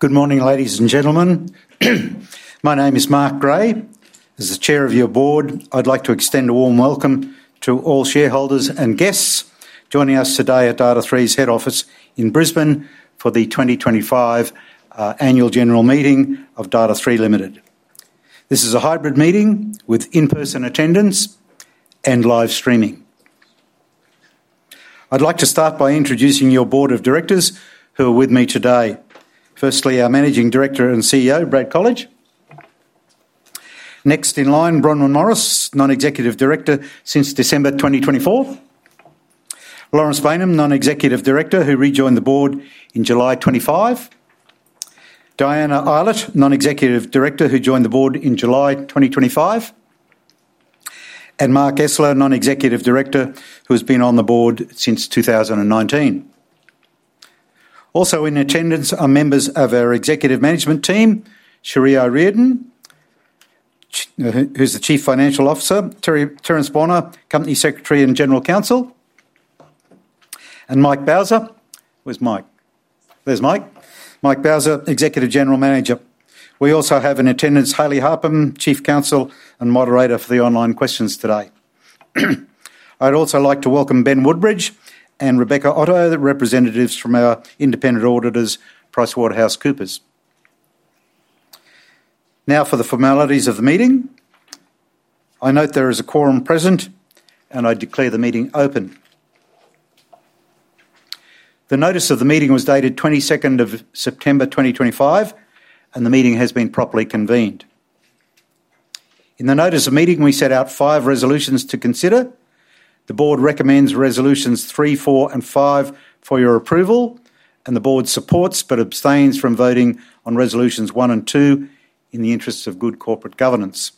Good morning, ladies and gentlemen. My name is Mark Gray. As the Chair of your Board, I'd like to extend a warm welcome to all shareholders and guests joining us today at Data#3's head office in Brisbane for the 2025 Annual General Meeting of Data#3 Limited. This is a hybrid meeting with in-person attendance and live streaming. I'd like to start by introducing your Board of Directors who are with me today. Firstly, our Managing Director and CEO, Brad Colledge. Next in line, Bronwyn Morris, Non-Executive Director since December 2024, Laurence Baynham, Non-Executive Director, who rejoined the Board in July 2025, Diana Eilert, Non-Executive Director, who joined the Board in July 2025, and Mark Esler, Non-Executive Director, who has been on the Board since 2019. Also in attendance are members of our executive management team: Sharia Reardon, who's the Chief Financial Officer, Terence Bonner, Company Secretary and General Counsel, and Michael Bowser. Where's Mike? There's Mike. Michael Bowser, Executive General Manager. We also have in attendance Hayley Harpham, Chief Counsel and Moderator for the online questions today. I'd also like to welcome Ben Woodbridge and Rebecca Otto, representatives from our independent auditors, PricewaterhouseCoopers. Now for the formalities of the meeting. I note there is a quorum present and I declare the meeting open. The notice of the meeting was dated 22nd of September 2025 and the meeting has been properly convened. In the notice of meeting, we set out five resolutions to consider. The Board recommends resolutions 3, 4, and 5 for your approval and the Board supports, but abstains from voting on, resolutions 1 and 2. In the interests of good corporate governance,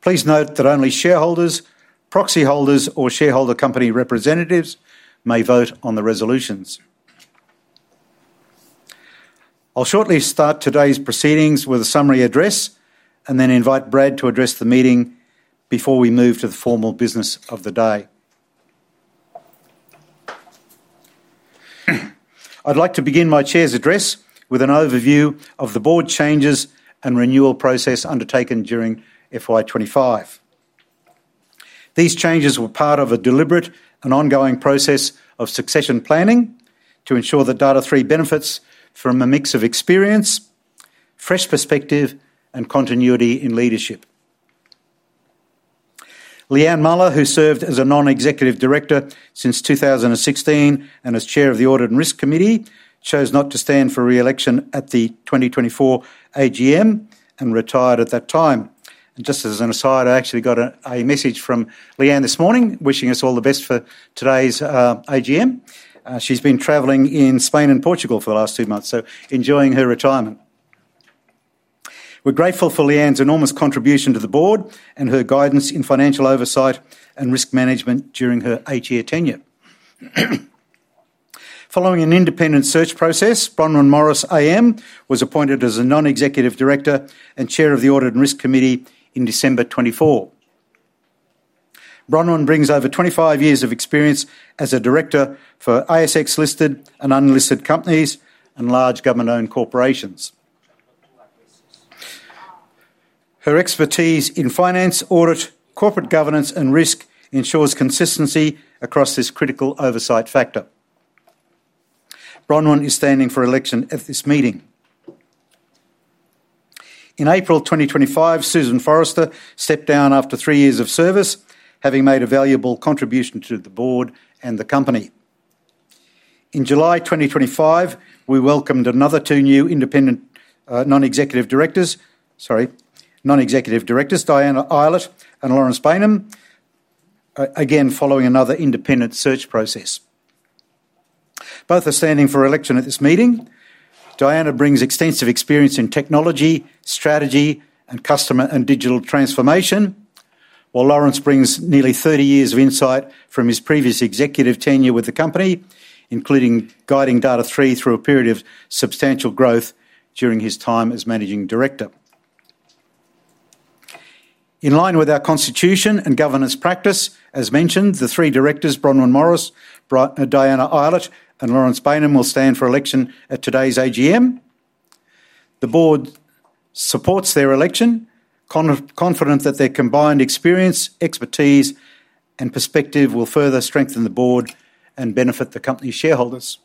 please note that only shareholders, proxy holders, or shareholder company representatives may vote on the resolutions. I'll shortly start today's proceedings with a summary address and then invite Brad to address the meeting. Before we move to the formal business of the day, I'd like to begin my Chair's address with an overview of the Board changes and renewal process undertaken during FY 2025. These changes were part of a deliberate and ongoing process of succession planning to ensure that Data#3 benefits from a mix of experience, fresh perspective, and continuity in leadership. Leanne Muller, who served as a Non-Executive Director since 2016 and as Chair of the Audit and Risk Committee, chose not to stand for re-election at the 2024 AGM and retired at that time. Just as an aside, I actually got a message from Leanne this morning, wishing us all the best for today's AGM. She's been traveling in Spain and Portugal for the last two months, so enjoying her retirement. We're grateful for Leanne's enormous contribution to the Board and her guidance in financial oversight and risk management during her eight-year tenure. Following an independent search process, Bronwyn Morris AM was appointed as a Non-Executive Director and Chair of the Audit and Risk Committee on December 24th. Bronwyn brings over 25 years of experience as a Director for ASX-listed and unlisted companies and large government-owned corporations. Her expertise in finance, audit, corporate governance, and risk ensures consistency across this critical oversight factor. Bronwyn is standing for election at this meeting. In April 2025, Susan Forrester stepped down after three years of service, having made a valuable contribution to the Board and the company. In July 2025, we welcomed another two new independent Non-Executive Directors, Diana Eilert and Laurence Baynham. Again, following another independent search process, both are standing for election at this meeting. Diana brings extensive experience in technology strategy and customer and digital transformation, while Laurence brings nearly 30 years of insight from his previous executive tenure with the company, including guiding Data#3 through a period of substantial growth during his time as Managing Director. In line with our constitution and governance practice, as mentioned, the three directors, Bronwyn Morris AM, Diana Eilert, and Laurence Baynham, will stand for election at today's AGM. The Board supports their election, confident that their combined experience, expertise, and perspective will further strengthen the Board and benefit the company's shareholders.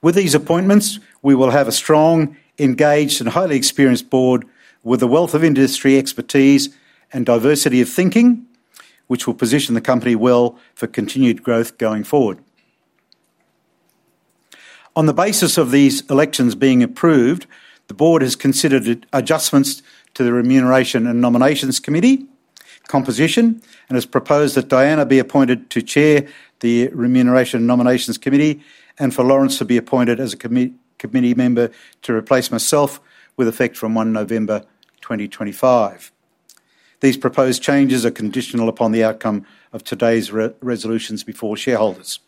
With these appointments, we will have a strong, engaged, and highly experienced Board with a wealth of industry expertise and diversity of thinking, which will position the company well for continued growth going forward. On the basis of these elections being approved, the Board has considered adjustments to the Remuneration and Nominations Committee composition and has proposed that Diana be appointed to chair the Remuneration and Nominations Committee and for Laurence to be appointed as a Committee member to replace myself, with effect from November 1, 2025. These proposed changes are conditional upon the outcome of today's resolutions before shareholders.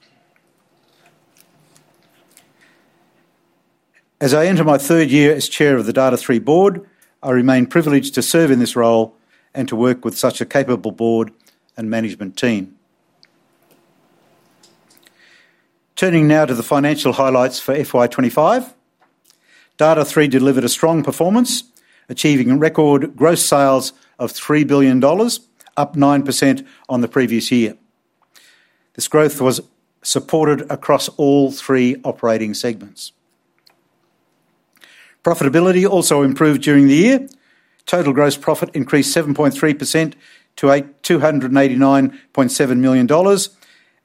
As I enter my third year as Chair of the Data#3 board, I remain privileged to serve in this role and to work with such a capable board and management team. Turning now to the financial highlights for FY 2025, Data#3 delivered a strong performance, achieving record gross sales of 3 billion dollars, up 9% on the previous year. This growth was supported across all three operating segments. Profitability also improved during the year. Total gross profit increased 7.3% to 289.7 million dollars,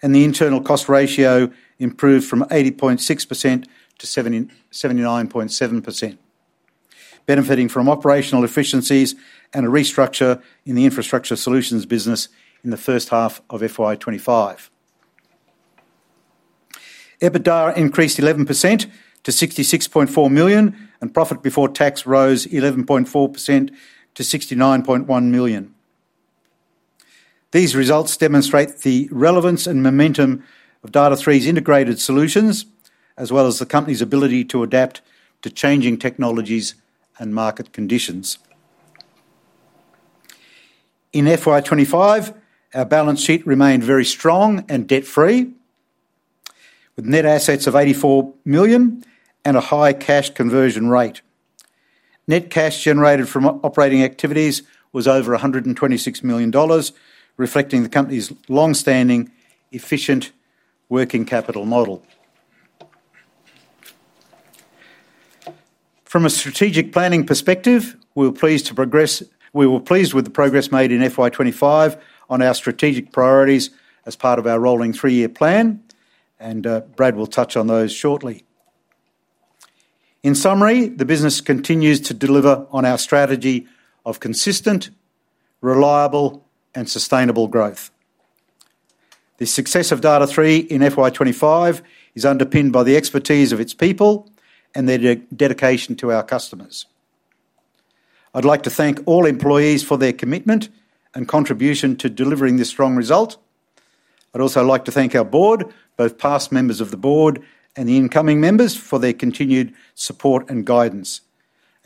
and the internal cost ratio improved from 80.6% to 79.7%, benefiting from operational efficiencies and a restructure in the infrastructure solutions business. In the first half of FY 2025, EBITDA increased 11% to 66.4 million, and profit before tax rose 11.4% to 69.1 million. These results demonstrate the relevance and momentum of Data#3's integrated solutions as well as the company's ability to adapt to changing technologies and market conditions. In FY 2025, our balance sheet remained very strong and debt free, with net assets of 84 million and a high cash conversion rate. Net cash generated from operating activities was over 126 million dollars, reflecting the company's long-standing efficient working capital model. From a strategic planning perspective, we were pleased with the progress made in FY 2025 on our strategic priorities as part of our rolling three-year plan, and Brad will touch on those shortly. In summary, the business continues to deliver on our strategy of consistent, reliable, and sustainable growth. The success of Data#3 in FY 2025 is underpinned by the expertise of its people and their dedication to our customers. I'd like to thank all employees for their commitment and contribution to delivering this strong result. I'd also like to thank our board, both past members of the board and the incoming members, for their continued support and guidance.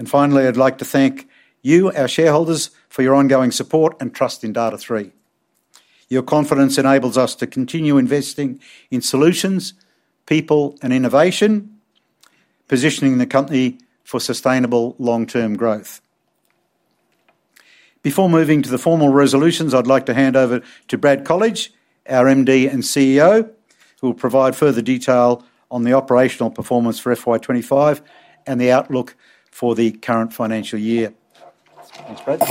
Finally, I'd like to thank you, our shareholders, for your ongoing support and trust in Data#3. Your confidence enables us to continue investing in solutions, people, and innovation, positioning the company for sustainable long-term growth. Before moving to the formal resolutions, I'd like to hand over to Brad Colledge, our Managing Director and CEO, who will provide further detail on the operational performance for FY 2025 and the outlook for the current financial year. Thanks, Brad.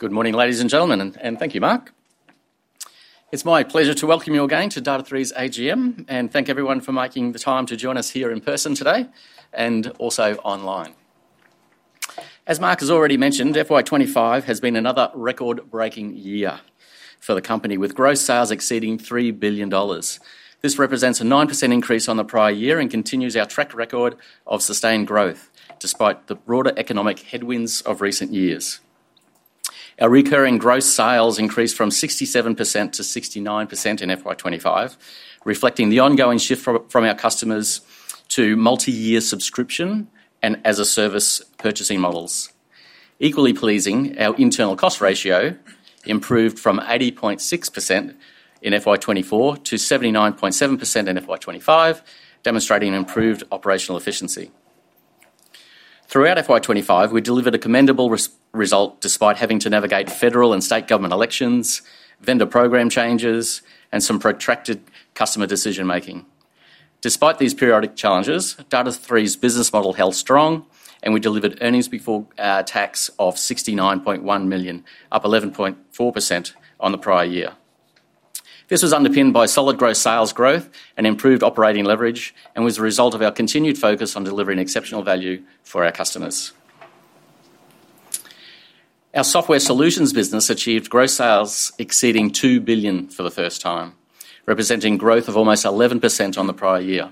Good morning ladies and gentlemen, and thank you, Mark. It's my pleasure to welcome you again to Data#3's AGM and thank everyone for making the time to join us here in person today and also online. As Mark has already mentioned, FY 2025 has been another record-breaking year for the company with gross sales exceeding 3 billion dollars. This represents a 9% increase on the prior year and continues our track record of sustained growth despite the broader economic headwinds of recent years. Our recurring gross sales increased from 67% to 69% in FY 2025, reflecting the ongoing shift from our customers to multi-year subscription and as-a-service purchasing models. Equally pleasing, our internal cost ratio improved from 80.6% in FY 2024 to 79.7% in FY 2025, demonstrating improved operational efficiency throughout FY 2025. We delivered a commendable result despite having to navigate federal and state government elections, vendor program changes, and some protracted customer decision-making. Despite these periodic challenges, Data#3's business model held strong and we delivered earnings before tax of 69.1 million, up 11.4% on the prior year. This was underpinned by solid gross sales growth and improved operating leverage and was a result of our continued focus on delivering exceptional value for our customers. Our software solutions business achieved gross sales exceeding 2 billion for the first time, representing growth of almost 11% on the prior year.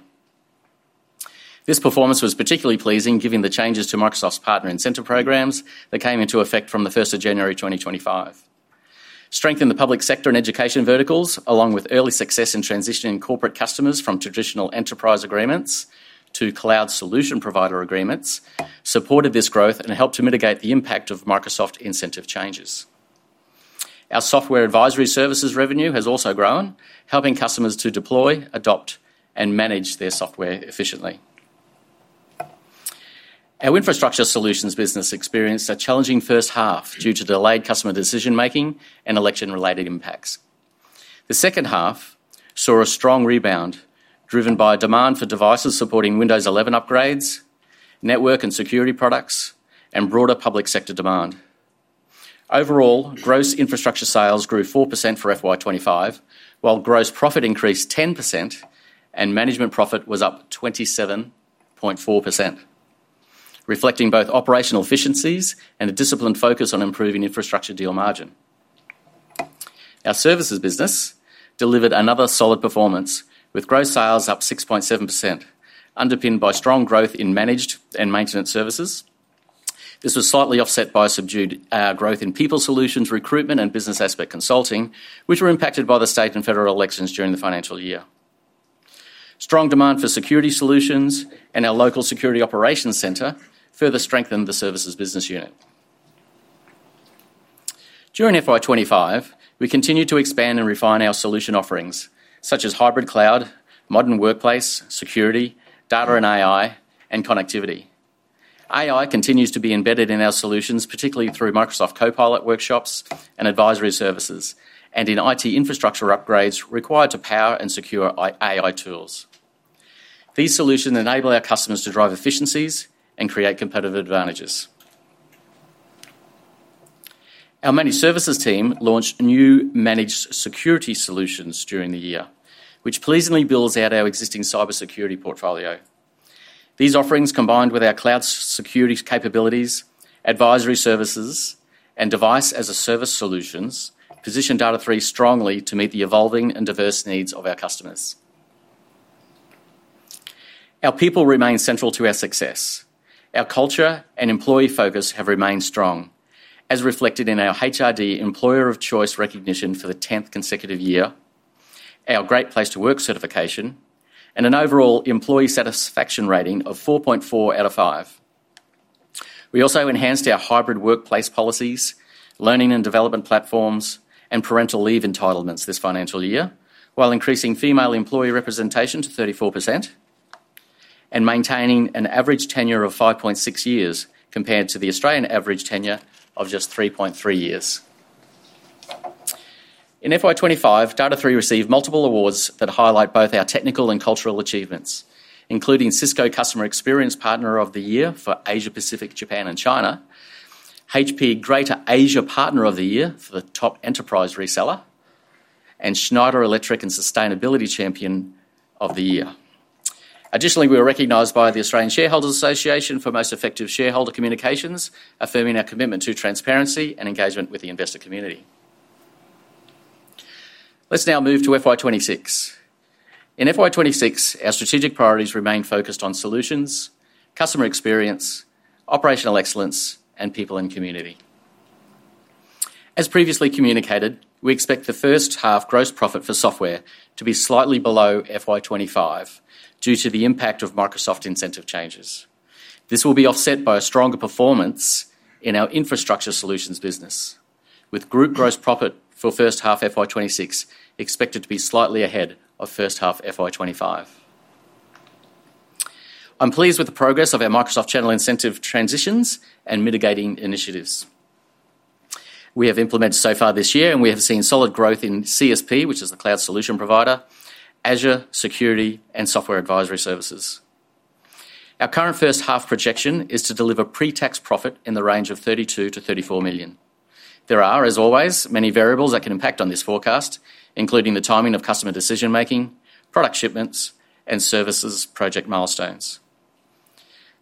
This performance was particularly pleasing given the changes to Microsoft's partner incentive programs that came into effect from 1 January 2025. Strength in the public sector and education verticals, along with early success in transitioning corporate customers from traditional enterprise agreements to cloud solution provider agreements, supported this growth and helped to mitigate the impact of Microsoft incentive changes. Our software advisory services revenue has also grown, helping customers to deploy, adopt, and manage their software efficiently. Our infrastructure solutions business experienced a challenging first half due to delayed customer decision-making and election-related impacts. The second half saw a strong rebound driven by demand for devices supporting Windows 11 upgrades, network and security products, and broader public sector demand. Overall, gross infrastructure sales grew 4% for FY 2025 while gross profit increased 10% and management profit was up 27.4%, reflecting both operational efficiencies and a disciplined focus on improving infrastructure deal margin. Our services business delivered another solid performance with gross sales up 6.7%, underpinned by strong growth in managed and maintenance services. This was slightly offset by subdued growth in people solutions recruitment and business aspect consulting, which were impacted by the state and federal elections during the financial year. Strong demand for security solutions and our local Security Operations Centre further strengthened the services business unit during FY 2025. We continue to expand and refine our solution offerings such as hybrid cloud, modern workplace, security, data and AI, and connectivity. AI continues to be embedded in our solutions, particularly through Microsoft Copilot workshops and advisory services and in IT infrastructure upgrades required to power and secure AI tools. These solutions enable our customers to drive efficiencies and create competitive advantages. Our managed services team launched new managed security solutions during the year, which pleasingly builds out our existing cybersecurity portfolio. These offerings, combined with our cloud security capabilities, advisory services, and Device as a Service solutions, position Data#3 strongly to meet the evolving and diverse needs of our customers. Our people remain central to our success. Our culture and employee focus have remained strong, as reflected in our HRD Employer of Choice recognition for the 10th consecutive year, our Great Place to Work certification, and an overall employee satisfaction rating of 4.4 out of 5. We also enhanced our hybrid workplace policies, learning and development platforms, and parental leave entitlements this financial year while increasing female employee representation to 34% and maintaining an average tenure of 5.6 years compared to the Australian average tenure of just 3.3 years. In FY 2025, Data#3 received multiple awards that highlight both our technical and cultural achievements, including Cisco Customer Experience Partner of the Year for Asia Pacific, Japan and China, HP Greater Asia Partner of the Year for the top enterprise reseller, and Schneider Electric and Sustainability Champion of the Year. Additionally, we were recognized by the Australian Shareholders Association for most effective shareholder communications. Affirming our commitment to transparency and engagement with the investor community, let's now move to FY 2026. In FY 2026 our strategic priorities remain focused on solutions, customer experience, operational excellence, and people and community. As previously communicated, we expect the first half gross profit for software to be slightly below FY 2025 due to the impact of Microsoft incentive changes. This will be offset by a stronger performance in our infrastructure solutions business, with group gross profit for first half FY 2026 expected to be slightly ahead of first half FY 2025. I'm pleased with the progress of our Microsoft channel incentive transitions and mitigating initiatives we have implemented so far this year, and we have seen solid growth in CSP, which is the cloud solution provider, Azure Security, and software advisory services. Our current first half projection is to deliver pre-tax profit in the range of 32 million-34 million. There are, as always, many variables that can impact on this forecast, including the timing of customer decision making, product shipments, and services project milestones.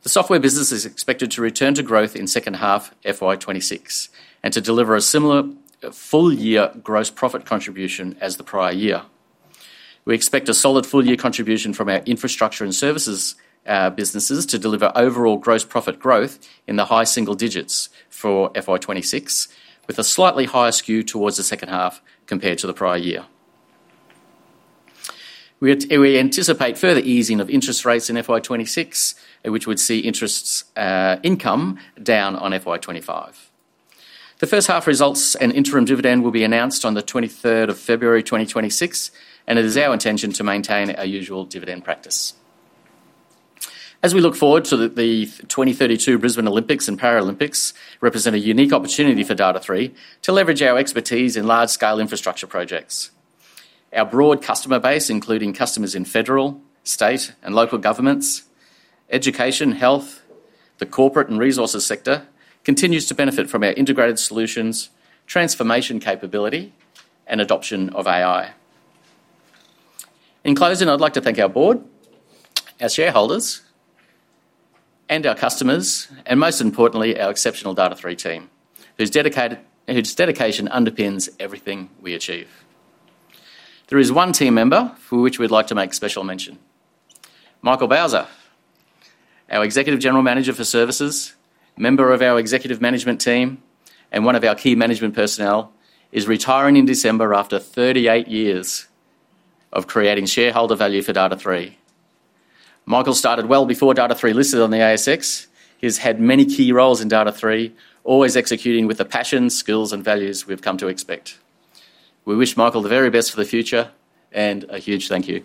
The software business is expected to return to growth in second half FY 2026 and to deliver a similar full year gross profit contribution as the prior year. We expect a solid full year contribution from our infrastructure and services businesses to deliver overall gross profit growth in the high single digits for FY 2026, with a slightly higher skew towards the second half compared to the prior year. We anticipate further easing of interest rates in FY 2026, which would see interest income down on FY 2025. The first half results and interim dividend will be announced on 23rd February 2026, and it is our intention to maintain our usual dividend practice as we look forward to the 2032 Brisbane Olympics and Paralympics, which represent a unique opportunity for Data#3 to leverage our expertise in large scale infrastructure projects. Our broad customer base, including customers in federal, state, and local governments, education, health, the corporate and resources sector, continues to benefit from our integrated solutions, transformation capability, and adoption of AI. In closing, I'd like to thank our board, our shareholders, and our customers, and most importantly, our exceptional Data#3 team whose dedication underpins everything we achieve. There is one team member for which we'd like to make special mention. Michael Bowser, our Executive General Manager for Services, member of our Executive Management team and one of our key management personnel, is retiring in December after 38 years of creating shareholder value for Data#3. Michael started well before Data#3 listed on the ASX. He's had many key roles in Data#3, always executing with the passion, skills and values we've come to expect. We wish Michael the very best for the future and a huge thank you.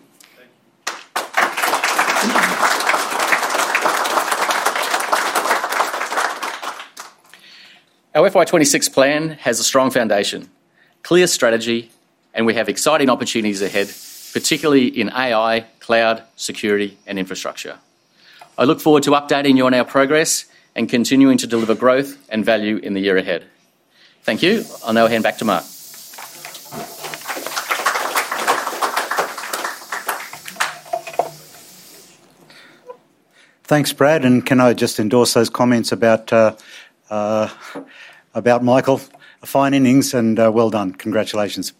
Our FY 2026 plan has a strong foundation, clear strategy and we have exciting opportunities ahead, particularly in AI, cloud security and infrastructure. I look forward to updating you on our progress and continuing to deliver growth and value in the year ahead. Thank you. I'll now hand back to Mark. Thanks Brad, and can I just endorse those comments about Michael. Fine innings and well done. Congratulations.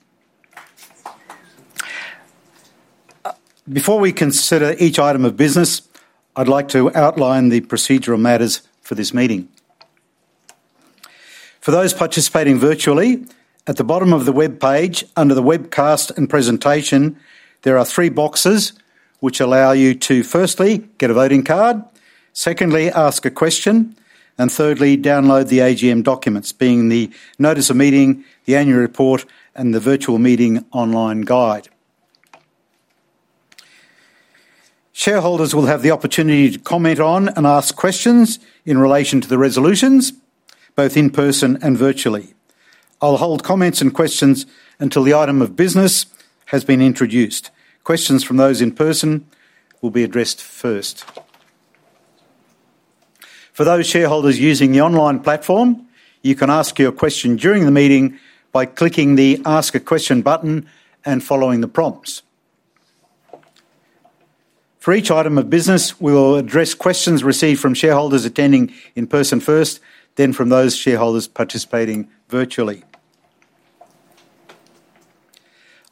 Before we consider each item of business, I'd like to outline the procedural matters for this meeting. For those participating virtually, at the bottom of the web page under the webcast and presentation, there are three boxes which allow you to firstly get a voting card, secondly, ask a question, and thirdly, download the AGM documents being the Notice of Meeting, the Annual Report, and the Virtual Meeting online guide. Shareholders will have the opportunity to comment on and ask questions in relation to the resolutions, both in person and virtually. I'll hold comments and questions until the item of business has been introduced. Questions from those in person will be addressed first. For those shareholders using the online platform, you can ask your question during the meeting by clicking the Ask a Question button and following the prompts. For each item of business, we will address questions received from shareholders attending in person first, then from those shareholders participating virtually.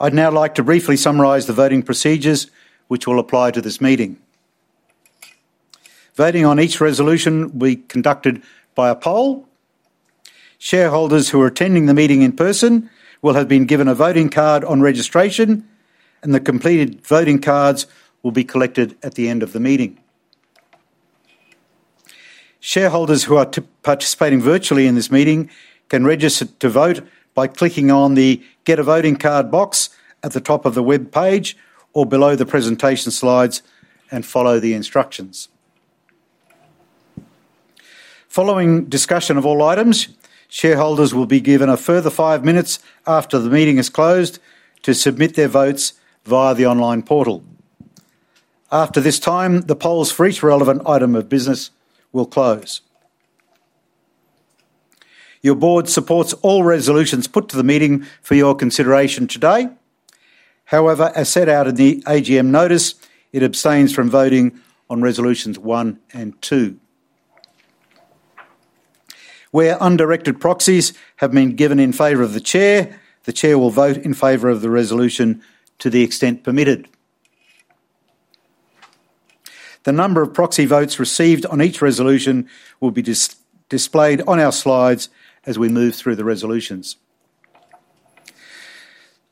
I'd now like to briefly summarize the voting procedures which will apply to this meeting. Voting on each resolution will be conducted by a poll. Shareholders who are attending the meeting in person will have been given a voting card on registration, and the completed voting cards will be collected at the end of the meeting. Shareholders who are participating virtually in this meeting can register to vote by clicking on the Get a Voting Card box at the top of the web page or below the presentation slides and follow the instructions. Following discussion of all items, shareholders will be given a further five minutes after the meeting is closed to submit their votes via the online portal. After this time, the polls for each relevant item of business will close. Your board supports all resolutions put to the meeting for your consideration today. However, as set out in the AGM notice, it abstains from voting on Resolutions 1 and 2. Where undirected proxies have been given in favor of the Chair, the Chair will vote in favor of the resolution to the extent permitted. The number of proxy votes received on each resolution will be displayed on our slides as we move through the resolutions.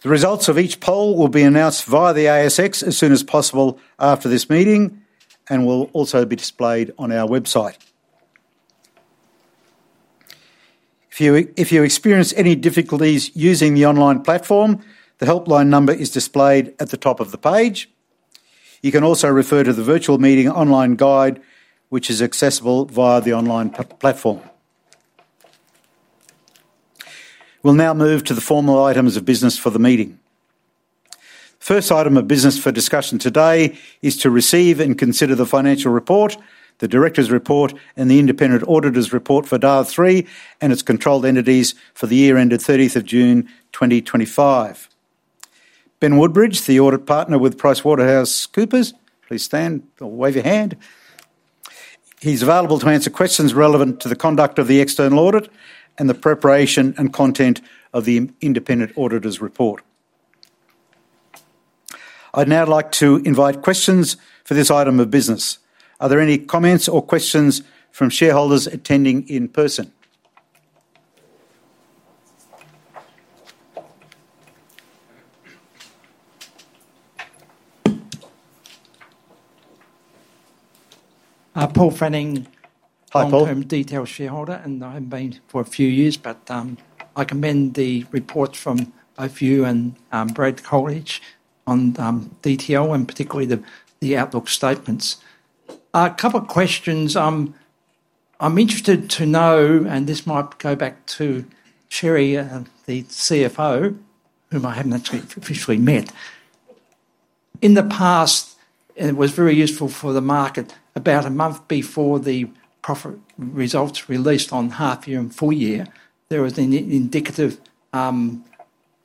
The results of each poll will be announced via the ASX as soon as possible after this meeting and will also be displayed on our website. If you experience any difficulties using the online platform, the helpline number is displayed at the top of the page. You can also refer to the Virtual Meeting Online Guide, which is accessible via the online platform. We'll now move to the formal items of business for the meeting. The first item of business for discussion today is to receive and consider the financial report, the Directors' Report, and the Independent Auditor's Report for Data#3 and its controlled entities for the year ended 30 June 2020. Ben Woodbridge, the audit partner with PricewaterhouseCoopers, please stand or wave your hand. He's available to answer questions relevant to the conduct of the external audit and the preparation and content of the Independent Auditor's Report. I'd now like to invite questions for this item of business. Are there any comments or questions from shareholders attending in person? Paul Fanning, long-term DTL shareholder, and I haven't been for a few years, but I commend the reports from both you and Brad Colledge on DTL and particularly the outlook statements. A couple of questions I'm interested to know, and this might go back to Cherie, the CFO, whom I haven't actually officially met in the past. It was very useful for the market. About a month before the profit results released on half year and full year, there was an indicative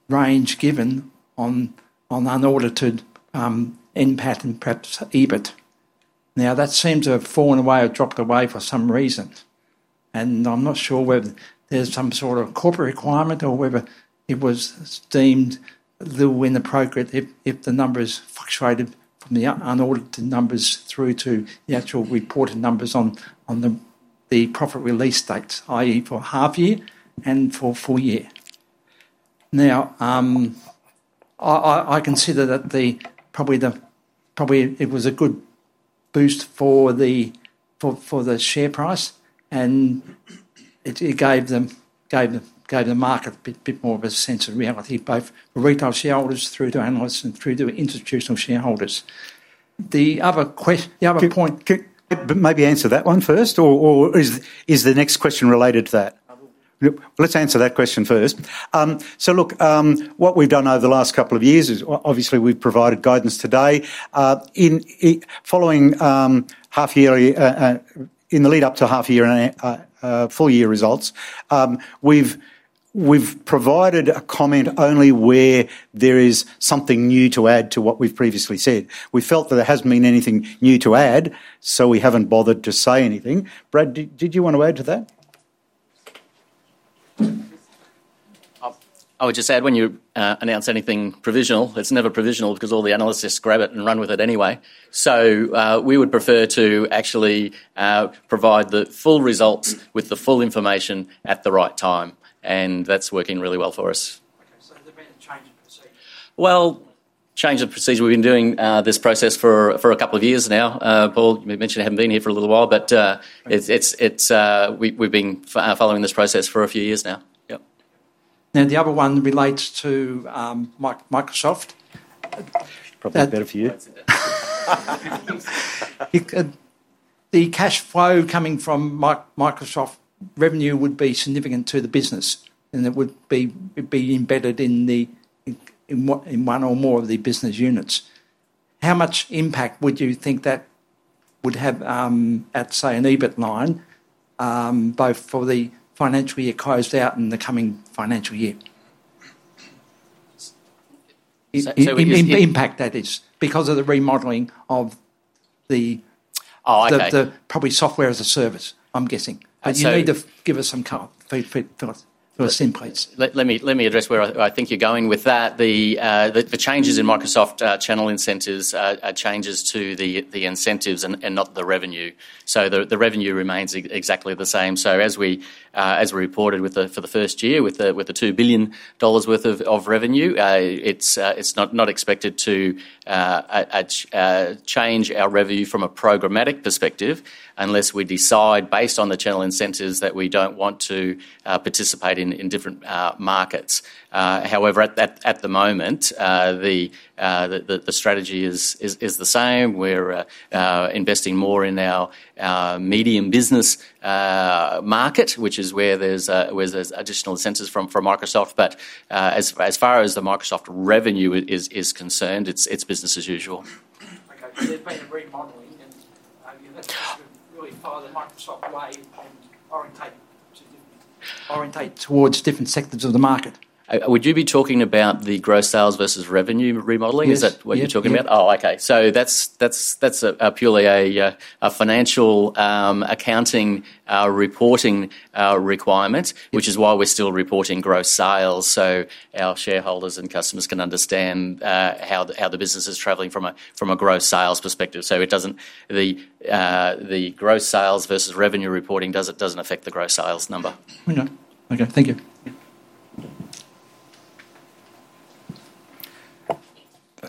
range given on unaudited NPAT and perhaps EBITDA. Now that seems to have fallen away or dropped away for some reason, and I'm not sure whether there's some sort of corporate requirement or whether it was deemed a little inappropriate. If the numbers fluctuated from the unaudited numbers through to the actual reported numbers on the profit release date, that is for half year and for full year. Now I consider that probably it was a good boost for the share price, and it gave the market a bit more of a sense of reality both for retail shareholders through to analysts and through to institutional shareholders. The other question, the other point. Maybe answer that one first. Is the next question related to that? Let's answer that question first. Look, what we've done over the last couple of years is obviously we've provided guidance today in the lead up to half year and full year results. We've provided a comment only where there is something new to add to what we've previously said. We felt that there hasn't been anything new to add, so we haven't bothered to say anything. Brad, did you want to add to that? I would just add when you announce anything provisional, it's never provisional because all the analysts grab it and run with it anyway. We would prefer to actually provide the full results with the full information at the right time, and that's working really well for us. Has there been a change in procedure? Change of procedure. We've been doing this process for a couple of years now. Paul mentioned you haven't been here for a little while, but we've been following this process for a few years now. The other one relates to Microsoft, probably better for you. The cash flow coming from Microsoft revenue would be significant to the business, and it would be embedded in one or more of the business units. How much impact would you think that would have at, say, an EBIT line both for the financial year closed out and the coming financial year? Impact? That is because of the remodeling of the probably software as a service, I'm guessing. You need to give us some color. Let me address where I think you're going with that. The changes in Microsoft channel incentives are changes to the incentives and not the revenue. The revenue remains exactly the same. As we reported for the first year, with the 2 billion dollars worth of revenue, it's not expected to change our revenue from a programmatic perspective unless we decide based on the channel incentives that we don't want to participate in different markets. However, at the moment the strategy is the same. We're investing more in our medium business market, which is where there's additional incentives from Microsoft. As far as the Microsoft revenue is concerned, it's business as usual. There's been a remodeling to really follow the Microsoft way and orientate towards different sectors of the market. Would you be talking about the gross sales vs revenue remodeling? Is that what you're talking about? Oh, okay. That's purely a financial accounting reporting requirement, which is why we're still reporting gross sales, so our shareholders and customers can understand how the business is traveling from a gross sales perspective. The gross sales versus revenue reporting doesn't affect the gross sales number. Okay, thank you.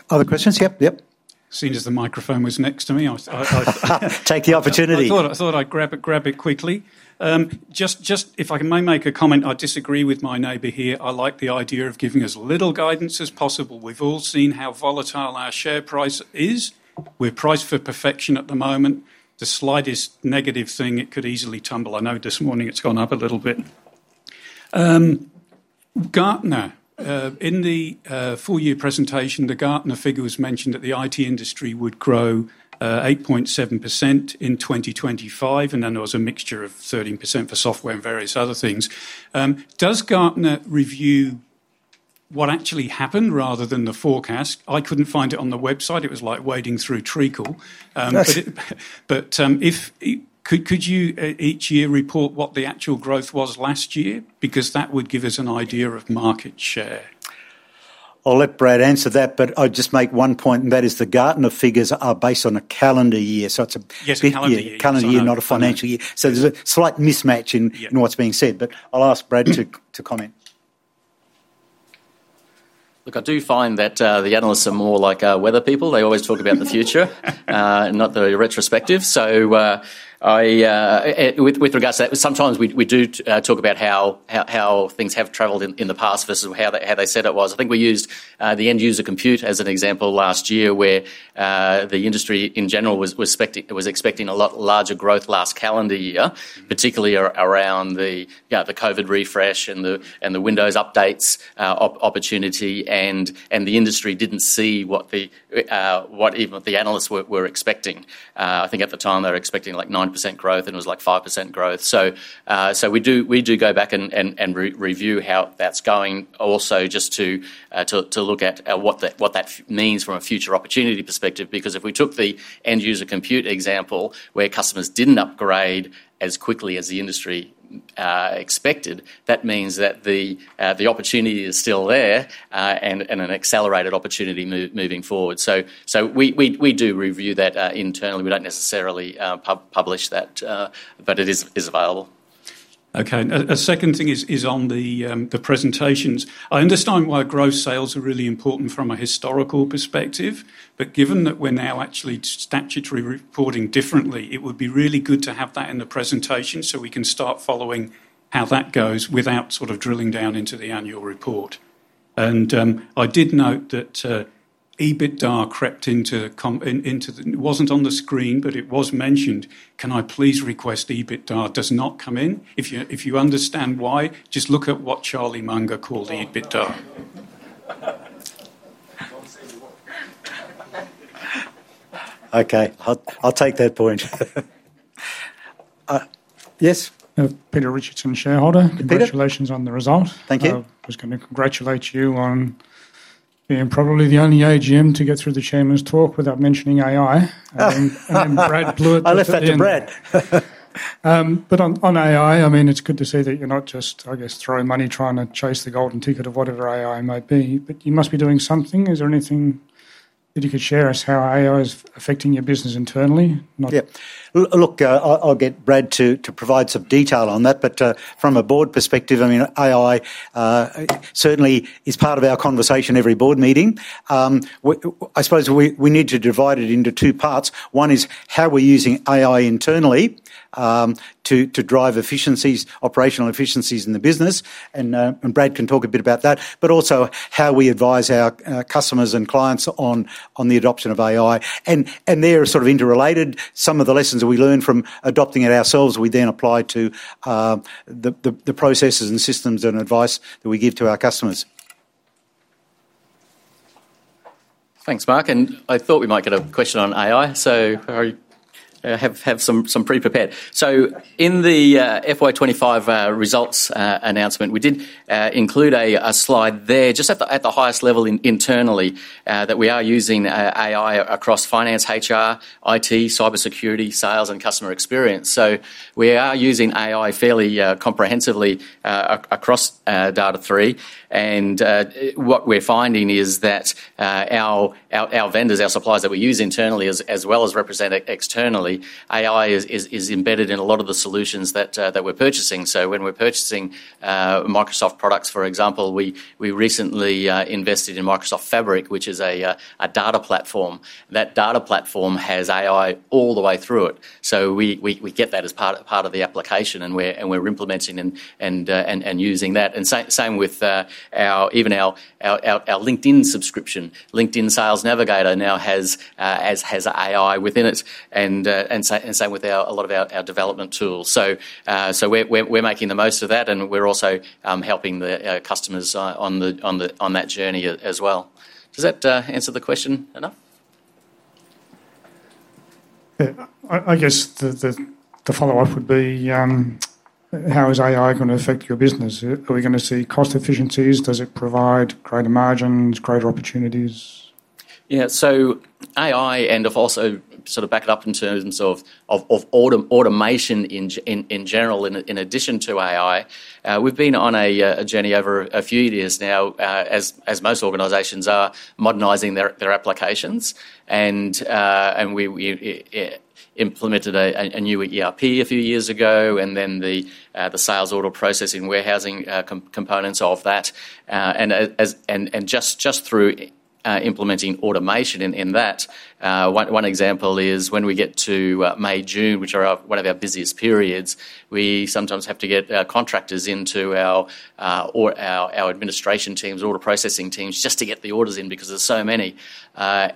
Other questions? Yep. Yep. Seen as the microphone was next to. Me, take the opportunity. I thought I'd grab it quickly. Just if I may make a comment, I disagree with my neighbor here. I like the idea of giving as little guidance as possible. We've all seen how volatile our share price is. We're priced for perfection at the moment. The slightest negative thing, it could easily tumble. I know this morning it's gone up a little bit. Gartner. In the full year presentation, the Gartner figures mentioned that the IT industry would grow 8.7% in 2025. There was a mixture of 13% for software and various other things. Does Gartner review what actually happened rather than the forecast? I couldn't find it on the website. It was like wading through treacle. Could you each year report what the actual growth was last year? That would give us an idea of market share. I'll let Brad answer that, but I'd just make one point, and that is the Gartner figures are based on a calendar year. It's a calendar year, not a financial year, so there's a slight mismatch in what's being said. I'll ask Brad to comment. Look, I do find that the analysts are more like weather people. They always talk about the future, not the retrospective. With regards to that, sometimes we do talk about how things have traveled in the past versus how they said it was. I think we used the end user compute as an example last year where the industry in general was expecting a lot larger growth last calendar year, particularly around the COVID refresh and the Windows updates opportunity. The industry didn't see what even the analysts were expecting. I think at the time they were expecting like 9% growth and it was like 5% growth. We do go back and review how that's going also just to look at what that means from a future opportunity perspective. If we took the end user compute example, where customers didn't upgrade as quickly as the industry expected, that means that the opportunity is still there and an accelerated opportunity moving forward. We do review that internally. We don't necessarily publish that, but it is available. Okay. A second thing is on the presentations, I understand why gross sales are really important from a historical perspective. Given that we're now actually statutory reporting differently, it would be really good to have that in the presentation so we can start following how that goes without sort of drilling down into the annual report. I did note that EBITDA crept in. It wasn't on the screen, but it was mentioned. Can I please request EBITDAR does not come in. If you understand why, just look at what Charlie Munger called EBITDAR. Okay, I'll take that point. Yes. Peter Richardson, shareholder. Congratulations on the result. Thank you. I was going to congratulate you on being probably the only AGM to get through the Chairman's talk without mentioning AI. I left that to Brad. On AI, I mean, it's good to see that you're not just, I. Guess, throwing money, trying to chase the golden ticket of whatever AI might be. You must be doing something. Is there anything that you could share? us how AI is affecting your business internally? Yeah, look, I'll get Brad to provide some detail on that. From a board perspective, I mean, AI certainly is part of our conversation every board meeting. I suppose we need to divide it into two parts. One is how we're using AI internally to drive efficiencies, operational efficiencies in the business, and Brad can talk a bit about that, but also how we advise our customers and clients on the adoption of AI. They're sort of interrelated. Some of the lessons we learned from adopting it ourselves, we then apply to the processes and systems and advice that we give to our customers. Thanks, Mark. I thought we might get a question on AI, so have some pre prepared. In the FY 2025 results announcement, we did include a slide there just at the highest level internally that we are using AI across finance, HR, IT, cybersecurity, sales, and customer experience. We are using AI fairly comprehensively across Data#3, and what we're finding is that our vendors, our suppliers that we use internally as well as represent externally, AI is embedded in a lot of the solutions that we're purchasing. When we're purchasing Microsoft products, for example, we recently invested in Microsoft Fabric, which is a data platform. That data platform has AI all the way through it. We get that as part of the application and we're implementing and using that. Same with even our LinkedIn subscription, LinkedIn Sales Navigator now has AI within it, and same with a lot of our development tools. We're making the most of that and we're also helping the customers on that journey as well. Does that answer the question enough. I guess the follow up would be how is AI going to affect your business? Are we going to see cost efficiencies? Does it provide greater margins, greater opportunities? Yeah. AI and also sort of back it up in terms of automation in general. In addition to AI, we've been on a journey over a few years now as most organizations are modernizing their applications, and we implemented a new ERP a few years ago and then the sales, order processing, warehousing components of that. Just through implementing automation in that, one example is when we get to May, June, which are one of our busiest periods, we sometimes have to get contractors into our administration teams, order processing teams, just to get the orders in because there's so many. At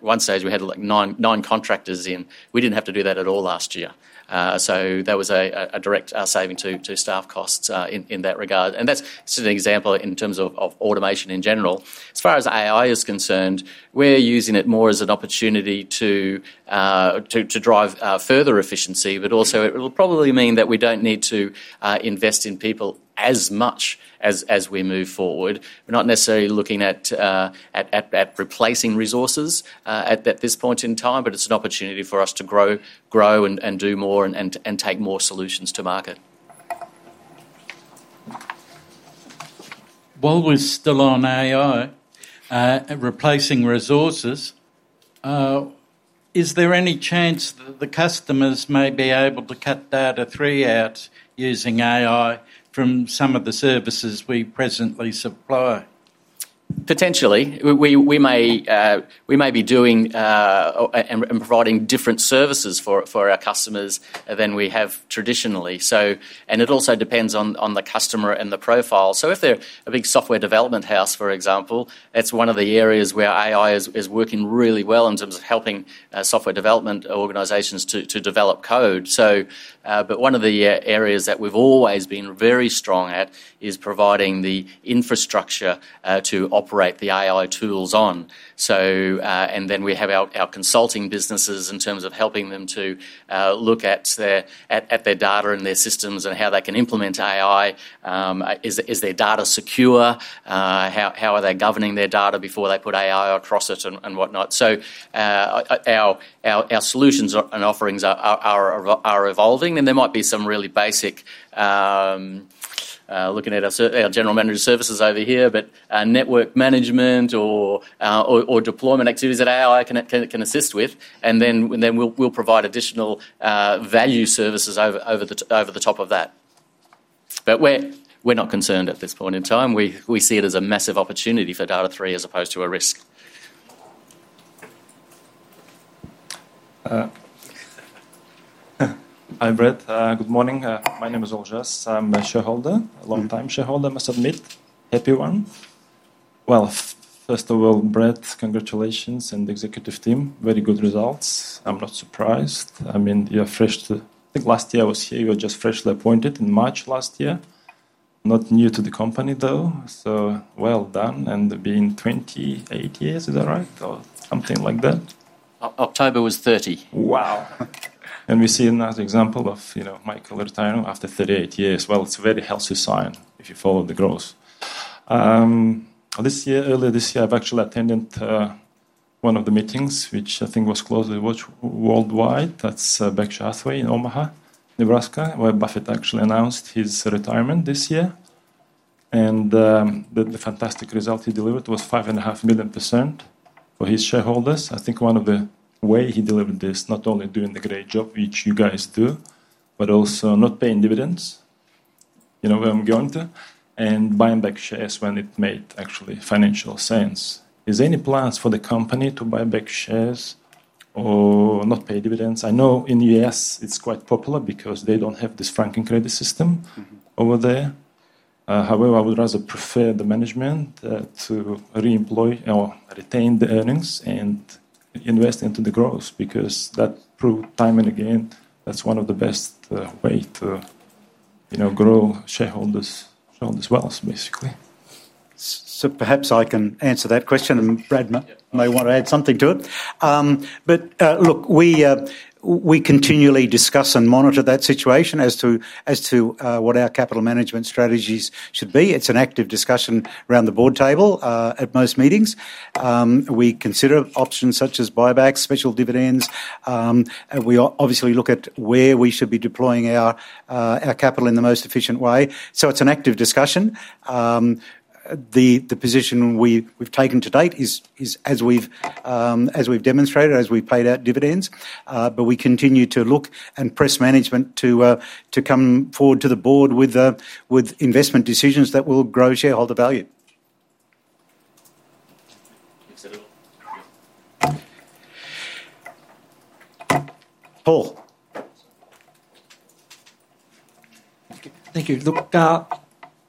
one stage, we had nine contractors in. We didn't have to do that at all last year. That was a direct saving to staff costs in that regard, and that's an example in terms of automation in general. As far as AI is concerned, we're using it more as an opportunity to drive further efficiency, but also it will probably mean that we don't need to invest in people as much as we move forward. We're not necessarily looking at replacing resources at this point in time, but it's an opportunity for us to grow and do more and take more solutions to market. While we're still on AI replacing resources. Is there any chance that the customers? May be able to cut Data#3 out using AI from some of the. Services we presently supply? Potentially we may be doing and providing different services for our customers than we have traditionally. It also depends on the customer and the profile. If they're a big software development house, for example, it's one of the areas where AI is working really well in terms of helping software development organizations to develop code. One of the areas that we've always been very strong at is providing the infrastructure to operate the AI tools on. We have our consulting businesses in terms of helping them to look at their data and their systems and how they can implement AI. Is their data secure? How are they governing their data before they put AI across it and whatnot. Our solutions and offerings are evolving. There might be some really basic looking at our general manager services over here, but network management or deployment activities that AI can assist with, and then we'll provide additional value services over the top of that. We're not concerned at this point in time. We see it as a massive opportunity for Data#3 as opposed to a risk. Hi Brad, good morning. My name is Olgias, I'm a shareholder, a long time shareholder I must admit. Happy one. First of all Brad, congratulations and executive team, very good results. I'm not surprised. I mean you're fresh. I think last year I was here, you were just freshly appointed in March last year. Not new to the company though, so well done and being 28 years, is that right or something like that. October was 30. Wow. We see another example of Michael Bowser retiring after 38 years. It's a very healthy sign if you follow the growth this year. Earlier this year I actually attended one of the meetings which I think was closely watched worldwide. That's Berkshire Hathaway in Omaha, Nebraska, where Buffett actually announced his retirement this year. The fantastic result he delivered was 5,500,000% for his shareholders. I think one of the ways he delivered this, not only doing the great job which you guys do, but also not paying dividends. You know where I'm going to, and buying back shares when it made actually financial sense. Is there any plans for the company to buy back shares or not pay dividends? I know in the U.S. it's quite popular because they don't have this franking credit system over there. However, I would rather prefer the management to reemploy or retain the earnings and invest into the growth because that proved time and again that's one of the best ways to grow shareholders' wealth basically. Perhaps I can answer that question and Brad may want to add something to it. We continually discuss and monitor that situation as to what our capital management strategies should be. It's an active discussion around the board table. At most meetings we consider options such as buybacks and special dividends. We obviously look at where we should be deploying our capital in the most efficient way. It's an active discussion. The position we've taken to date is as we've demonstrated as we've paid out dividends. We continue to look and press management to come forward to the board with investment decisions that will grow shareholder value. Paul. Thank you.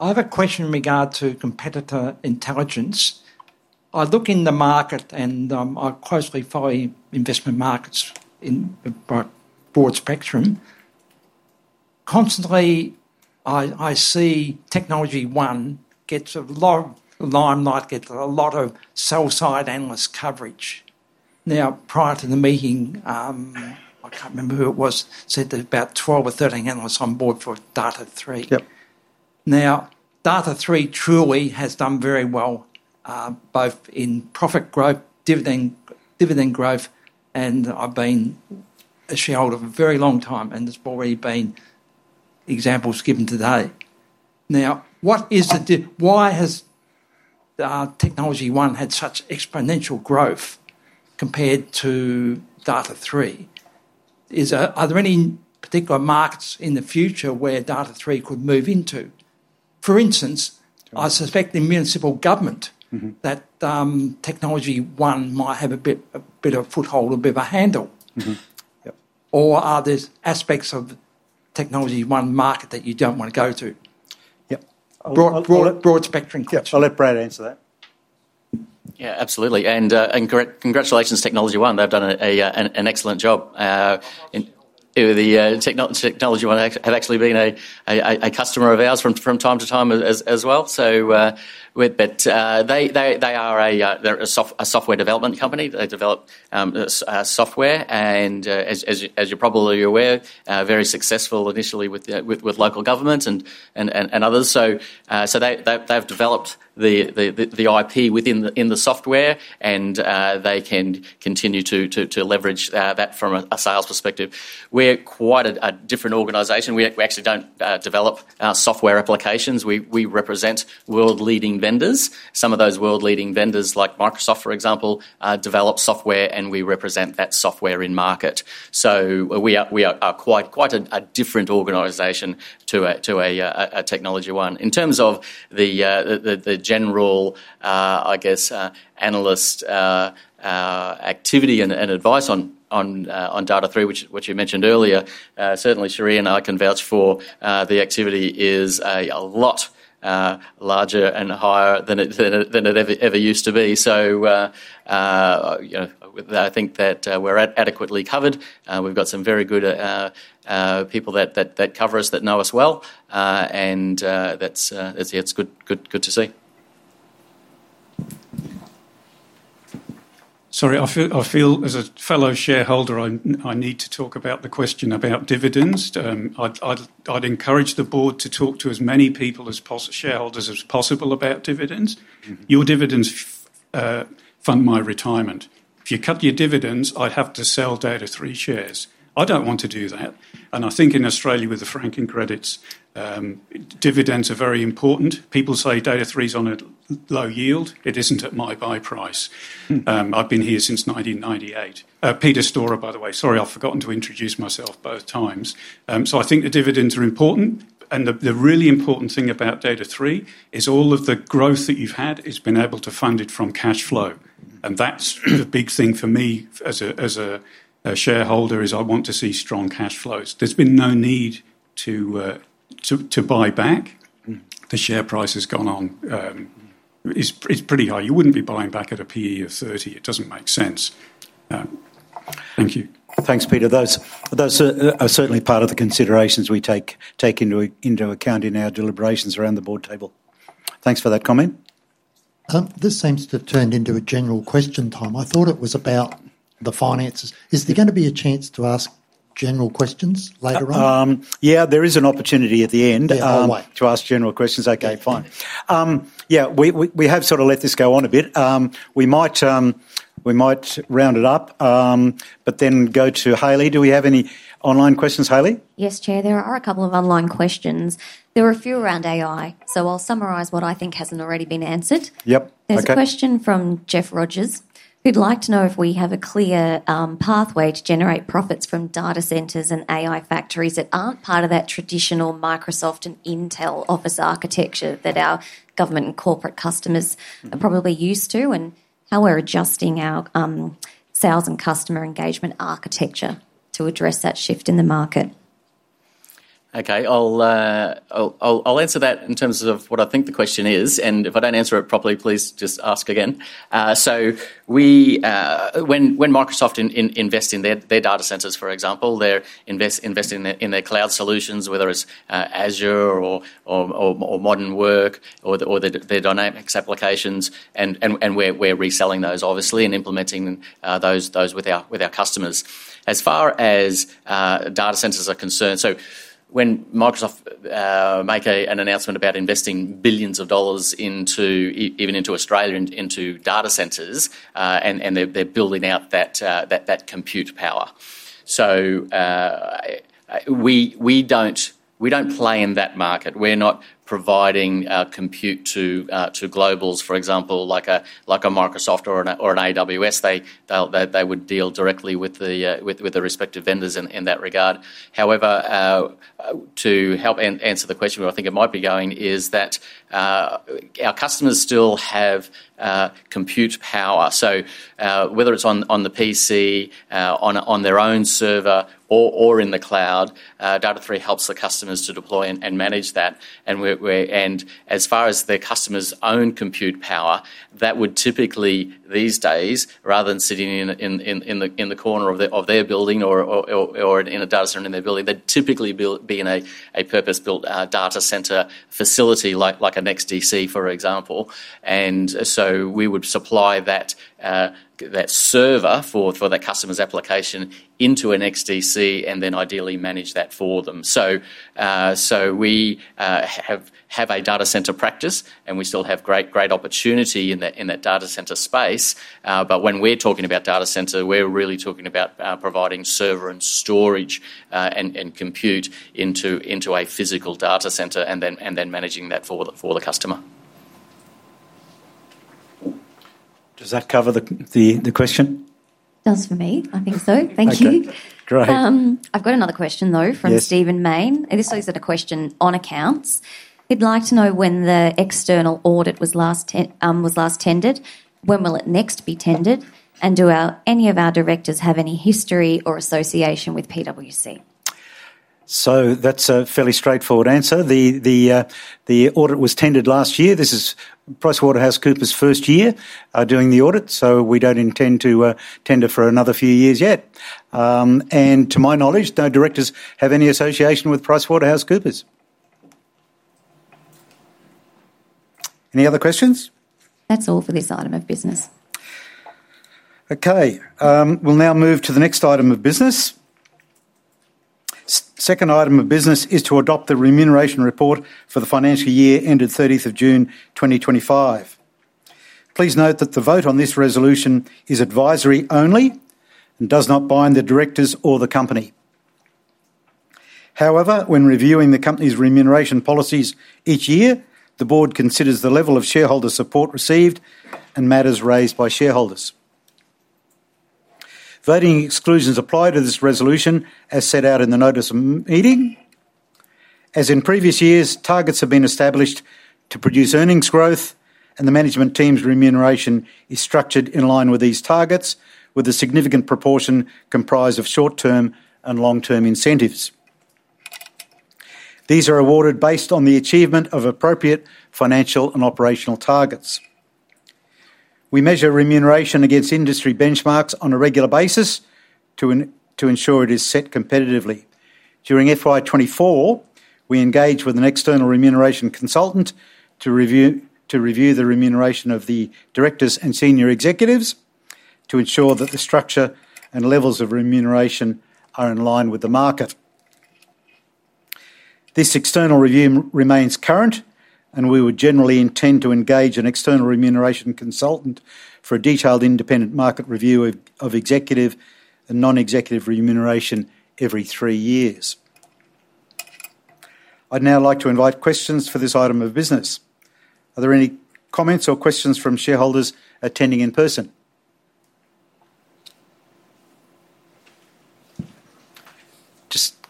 I have a question in regard to competitor intelligence. I look in the market and I closely follow investment markets by broad spectrum constantly. I see Technology One gets a lot of limelight, gets a lot of sell side analyst coverage. Now prior to the meeting, I can't remember who it was said there's about 12 or 13 analysts on board for Data#3. Now Data#3 truly has done very well both in profit growth, dividend growth and I've been a shareholder for a very long time. There's already been examples given today. What is the, why has Technology One had such exponential growth compared to Data#3? Are there any particular markets in the future where Data#3 could move into? For instance, I suspect the municipal government that Technology One might have a bit of foothold, a bit of a handle, or are there aspects of Technology One market that you don't want to go to? Yep, broad spectrum questions. I'll let Brad answer that. Yeah, absolutely. Congratulations, Technology One. They've done an excellent job. Technology One have actually been a customer of ours from time to time as well. They are a software development company. They develop software and, as you're probably aware, very successful initially with local government and others. They've developed the IP within the software and they can continue to leverage that. From a sales perspective, we're quite a different organization. We actually don't develop software applications. We represent world leading vendors. Some of those world leading vendors, like Microsoft, for example, develop software and we represent that software in market. We are quite a different organization to a Technology One. In terms of the general analyst activity and advice on Data#3, which you mentioned earlier, certainly Cherie and I can vouch for, the activity is a lot larger and higher than it ever used to be. I think that we're adequately covered. We've got some very good people that cover us, that know us well, and it's good to see. Sorry, I feel as a fellow shareholder, I need to talk about the question about dividends. I'd encourage the board to talk to as many people as possible, shareholders as possible about dividends. Your dividends fund my retirement. If you cut your dividends, I'd have to sell Data#3 shares. I don't want to do that. I think in Australia with the franking credits, dividends are very important. People say Data#3 is on a low yield. It isn't at my buy price. I've been here since 1998. Peter Storer, by the way. Sorry, I've forgotten to introduce myself both times. I think the dividends are important. The really important thing about Data#3 is all of the growth that you've had has been able to fund it from cash flow. That's a big thing for me as a shareholder, I want to see strong cash flows. There's been no need to buy back. The share price has gone on. It's pretty high. You wouldn't be buying back at a PE of 30. It doesn't make sense. Thank you. Thanks, Peter. Those are certainly part of the considerations we take into account in our deliberations around the board table. Thanks for that comment. This seems to have turned into a general question, Tom. I thought it was about the finances. Is there going to be a chance to ask general questions later on? Yeah, there is an opportunity at the end to ask general questions. Okay, fine. We have sort of let this go on a bit. We might round it up, but then go to Hayley. Do we have any online questions? Hayley? Yes, Chair. There are a couple of online questions. There are a few around AI. I'll summarize what I think hasn't already been answered. Yep. There's a question from Jeff Rogers who'd like to know if we have a clear pathway to generate profits from data centers and AI factories that aren't part of that traditional Microsoft and Intel office architecture that our government and corporate customers are probably used to, and how we're adjusting our sales and customer engagement architecture to address that shift in the market. Okay, I'll answer that in terms of what I think the question is, and if I don't answer it properly, please just ask again. When Microsoft invest in their data centers, for example, they're investing in their cloud solutions, whether it's Azure or Modern Work or their Dynamics applications. We're reselling those, obviously, and implementing those with our customers as far as data centers are concerned. When Microsoft make an announcement about investing billions of dollars into, even into Australia, into data centers, and they're building out that compute power, we don't play in that market. We're not providing compute to globals, for example, like Microsoft or AWS. They would deal directly with the respective vendors in that regard. However, to help answer the question, where I think it might be going is that our customers still have compute power. Whether it's on the PC, on their own server, or in the cloud, Data#3 helps the customers to deploy and manage that. As far as their customers' own compute power, that would typically these days, rather than sitting in the corner of their building or in a data center in their building, they'd typically be in a purpose-built data center facility like a NextDC, for example. We would supply that server for that customer's application into a NextDC and then ideally manage that for them. We have a data center practice, and we still have great opportunity in that data center space. When we're talking about data center, we're really talking about providing server and storage and compute into a physical data center and then managing that for the customer. Does that cover the question? Does for me, I think so. Thank you. Great. I've got another question from Stephen Main. This is a question on account. He'd like to know when the external audit was last tendered, when will it next be tendered, and do any of our directors have any history or association with PricewaterhouseCoopers? That's a fairly straightforward answer. The audit was tendered last year. This is PricewaterhouseCoopers' first year doing the audit. We don't intend to tender for another few years yet. To my knowledge, no directors have any association with PricewaterhouseCoopers. Any other questions? That's all for this item of business. Okay, we'll now move to the next item of business. The second item of business is to adopt the remuneration report for the financial year ended 30 June 2025. Please note that the vote on this resolution is advisory only and does not bind the directors or the company. However, when reviewing the company's remuneration policies each year, the board considers the level of shareholder support received and matters raised by shareholders. Voting exclusions apply to this resolution as set out in the notice of Meeting. As in previous years, targets have been established to produce earnings growth and the management team's remuneration is structured in line with these targets, with a significant proportion comprised of short term and long term incentives. These are awarded based on the achievement of appropriate financial and operational targets. We measure remuneration against industry benchmarks on a regular basis to ensure it is set competitively. During FY 2024, we engaged with an external remuneration consultant to review the remuneration of the directors and senior executives to ensure that the structure and levels of remuneration are in line with the market. This external review remains current and we would generally intend to engage an external remuneration consultant for a detailed independent market review of executive and non executive remuneration every three years. I'd now like to invite questions for this item of business. Are there any comments or questions from shareholders attending in person?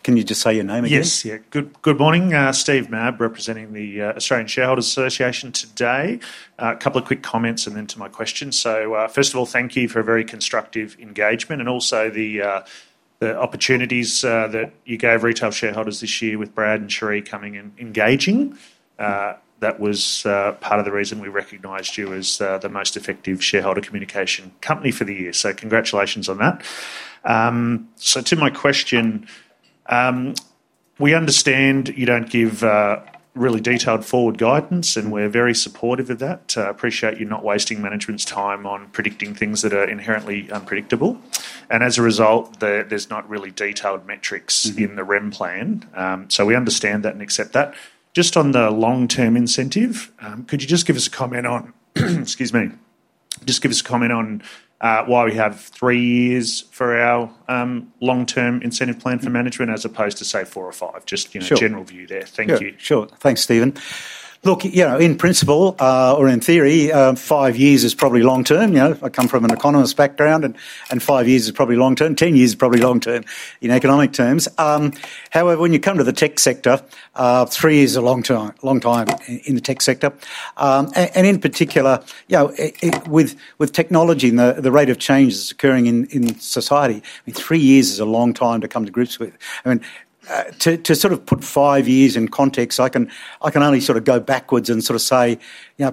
Can you just say your name again? Yes. Good morning, Steve Mabb, representing the Australian Shareholders Association. Today, a couple of quick comments and then to my questions. First of all, thank you for a very constructive engagement and also the opportunities that you gave retail shareholders this year with Brad and Cherie coming in, engaging. That was part of the reason we recognized you as the most effective shareholder communication company for the year. Congratulations on that. To my question, we understand you don't give really detailed forward guidance, and we're very supportive of that. We appreciate you not wasting management's time on predicting things that are inherently unpredictable. As a result, there's not really detailed metrics in the REM plan. We understand that and accept that. Just on the long term incentive, could you just give us a comment on. Excuse me, just give us a comment on why we have three years for our long term incentive plan for management as opposed to, say, four or five. Just general view there. Thank you. Sure. Thanks, Stephen. Look, you know, in principle or in theory, five years is probably long term. I come from an economist background, and five years is probably long term. Ten years is probably long term. In economic terms, however, when you come to the tech sector, three years is a long time. In the tech sector, and in particular with technology and the rate of change that's occurring in society, three years is a long time to come to grips with. To sort of put five years in context, I can only sort of go backwards and say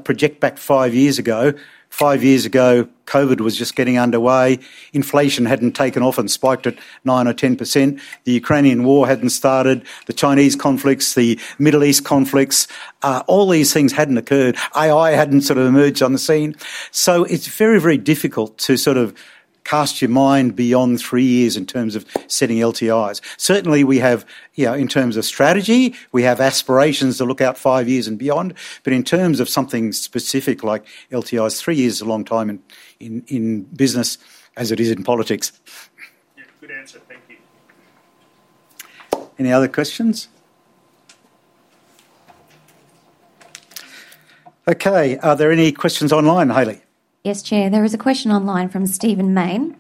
project back five years ago. Five years ago, COVID was just getting underway. Inflation hadn't taken off and spiked at 9% or 10%. The Ukrainian war hadn't started, the Chinese conflicts, the Middle East conflicts, all these things hadn't occurred. AI hadn't sort of emerged on the scene. It's very, very difficult to cast your mind beyond three years in terms of setting LTIs. Certainly we have, in terms of strategy, aspirations to look out five years and beyond. In terms of something specific like LTIs, three years is a long time, and in business, as it is in politics. Good answer. Thank you. Any other questions? Okay. Are there any questions online? Hayley? Yes, Chair. There is a question online from Stephen Main.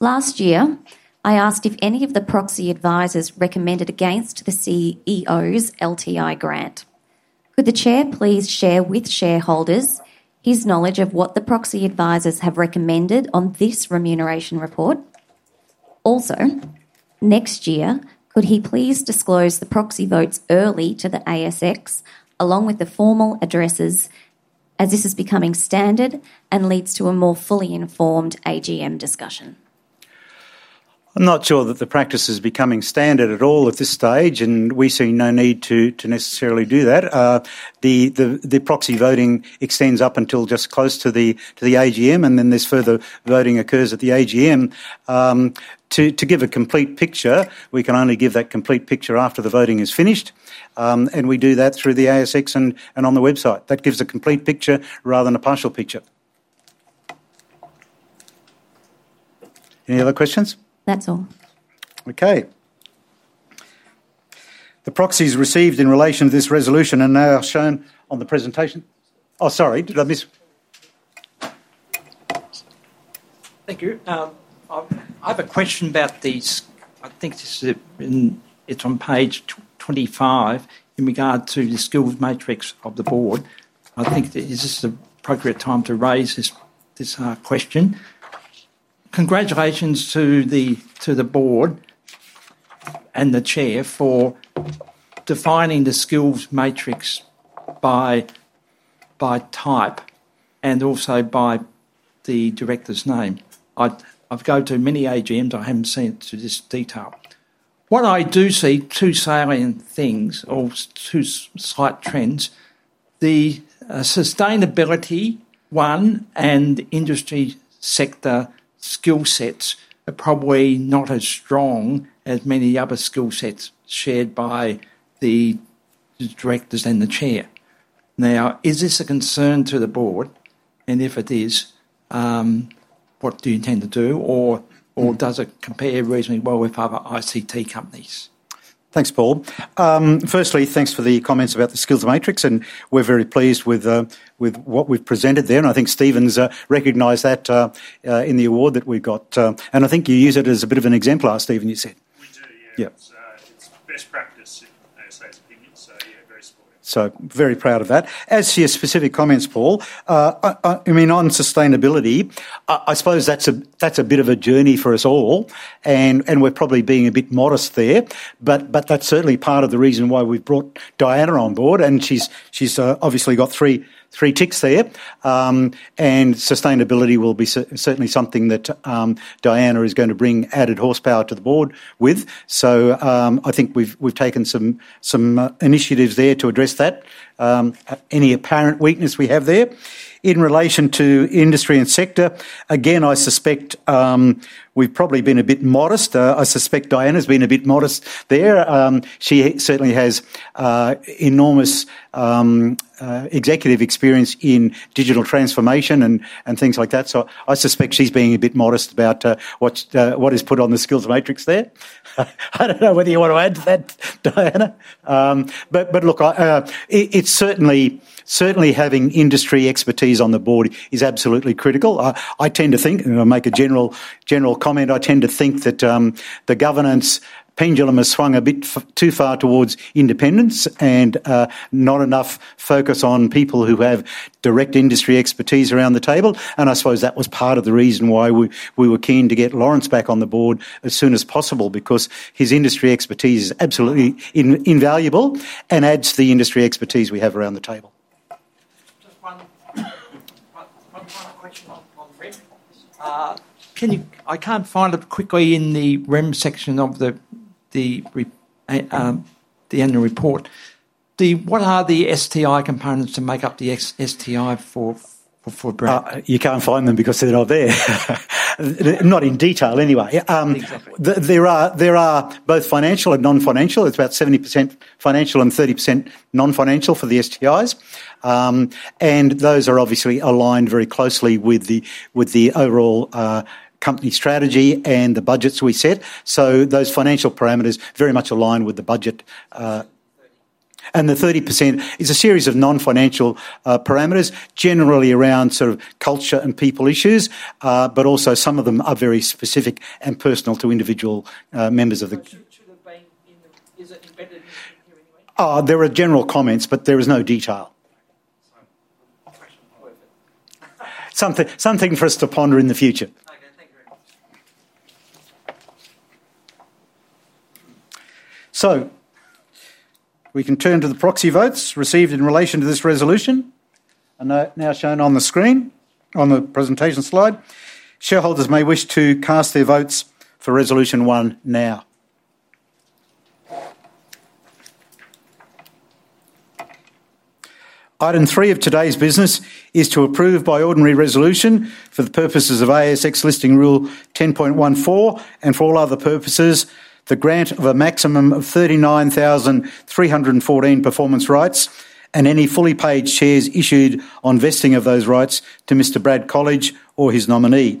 Last year, I asked if any of the proxy advisers recommended against the CEO's LTI grant. Could the Chair please share with shareholders his knowledge of what the proxy advisers have recommended on this remuneration report? Also, next year, could he please disclose the proxy votes early to the ASX along with the formal addresses, as this is becoming standard and leads to a more fully informed AGM discussion? I'm not sure that the practice is becoming standard at all at this stage, and we see no need to necessarily do that. The proxy voting extends up until just close to the AGM, and then this further voting occurs at the AGM to give a complete picture. We can only give that complete picture after the voting is finished, and we do that through the ASX and on the website that gives a complete picture rather than a partial picture. Any other questions? That's all. Okay. The proxies received in relation to this resolution are now shown on the presentation. Sorry, did I miss. Thank you. I have a question about these. I think it's on page 25. In regard to the skills matrix of the board, I think is this appropriate time to raise this question? Congratulations to the board and the Chair for defining the skills matrix by type and also by the director's name. I've gone through many AGMs. I haven't seen it to this detail. What I do see, two salient things or two slight trends. The sustainability one and industry sector skill sets are probably not as strong as many other skill sets shared by the directors and the Chair. Now, is this a concern to the board and if it is, what do you intend to do? Or does it compare reasonably well with other ICT companies? Thanks, Paul. Firstly, thanks for the comments about the skills matrix and we're very pleased with what we've presented there. I think Stephen's recognized that in the award that we got and I think you use it as a bit of an exemplar. Stephen, you said we do. Yeah, it's best practice, in ASA's opinion. Yeah, very supportive, so very proud of that. As to your specific comments, Paul, on sustainability, I suppose that's a bit of a journey for us all and we're probably being a bit modest there, but that's certainly part of the reason why we've brought Diana on board and she's obviously got three ticks there and sustainability will be certainly something that Diana is going to bring added horsepower to the board with. I think we've taken some initiatives there to address that. Any apparent weakness we have there in relation to industry and sector, again, I suspect we've probably been a bit modest. I suspect Diana's been a bit modest there. She certainly has enormous executive experience in digital transformation and things like that. I suspect she's being a bit modest about what is put on the skills matrix there. I don't know whether you want to. Add to that, Diana, it's certainly having industry expertise on the board is absolutely critical, I tend to think, and I'll make a general comment, I tend to think that the governance pendulum has swung a bit too far towards independence and not enough focus on people who have direct industry expertise around the table. I suppose that was part of the reason why we were keen to get Laurence back on the board as soon as possible, because his industry expertise is absolutely invaluable and adds to the industry expertise we have around the table. Just one final question on Fred. I can't find it quickly in the REM section of the annual report. What are the STI components to make up the STI for Brad? You can't find them because they're not there. Not in detail anyway. There are both financial and non-financial. It's about 70% financial and 30% non-financial for the STIs, and those are obviously aligned very closely with the overall company strategy and the budgets we set. Those financial parameters very much align with the budget. The 30% is a series of non-financial parameters generally around sort of culture and people issues, but also some of them are very specific and personal to individual members of the group. There are general comments, but there is no detail. Something for us to ponder in the future. We can turn to the proxy votes received in relation to this resolution now shown on the screen on the presentation slide. Shareholders may wish to cast their votes for Resolution 1 now. Item 3 of today's business is to approve by ordinary resolution, for the purposes of ASX Listing Rule 10.14 and for all other purposes, the grant of a maximum of 39,314 performance rights and any fully paid shares issued on vesting of those rights to Mr. Brad Colledge or his nominee.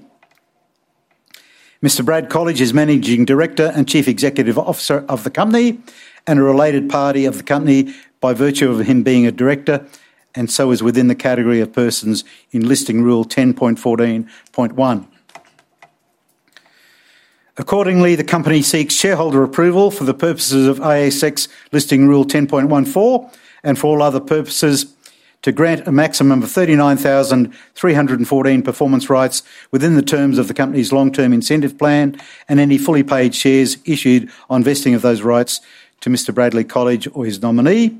Mr. Brad Colledge is Managing Director and Chief Executive Officer of the company and a related party of the company by virtue of him being a Director and so is within the category of persons in Listing Rule 10.14.1. Accordingly, the company seeks shareholder approval for the purposes of ASX Listing Rule 10.14 and for all other purposes to grant a maximum of 39,314 performance rights within the terms of the company's long term incentive plan and any fully paid shares issued on vesting of those rights to Mr. Brad Colledge or his nominee.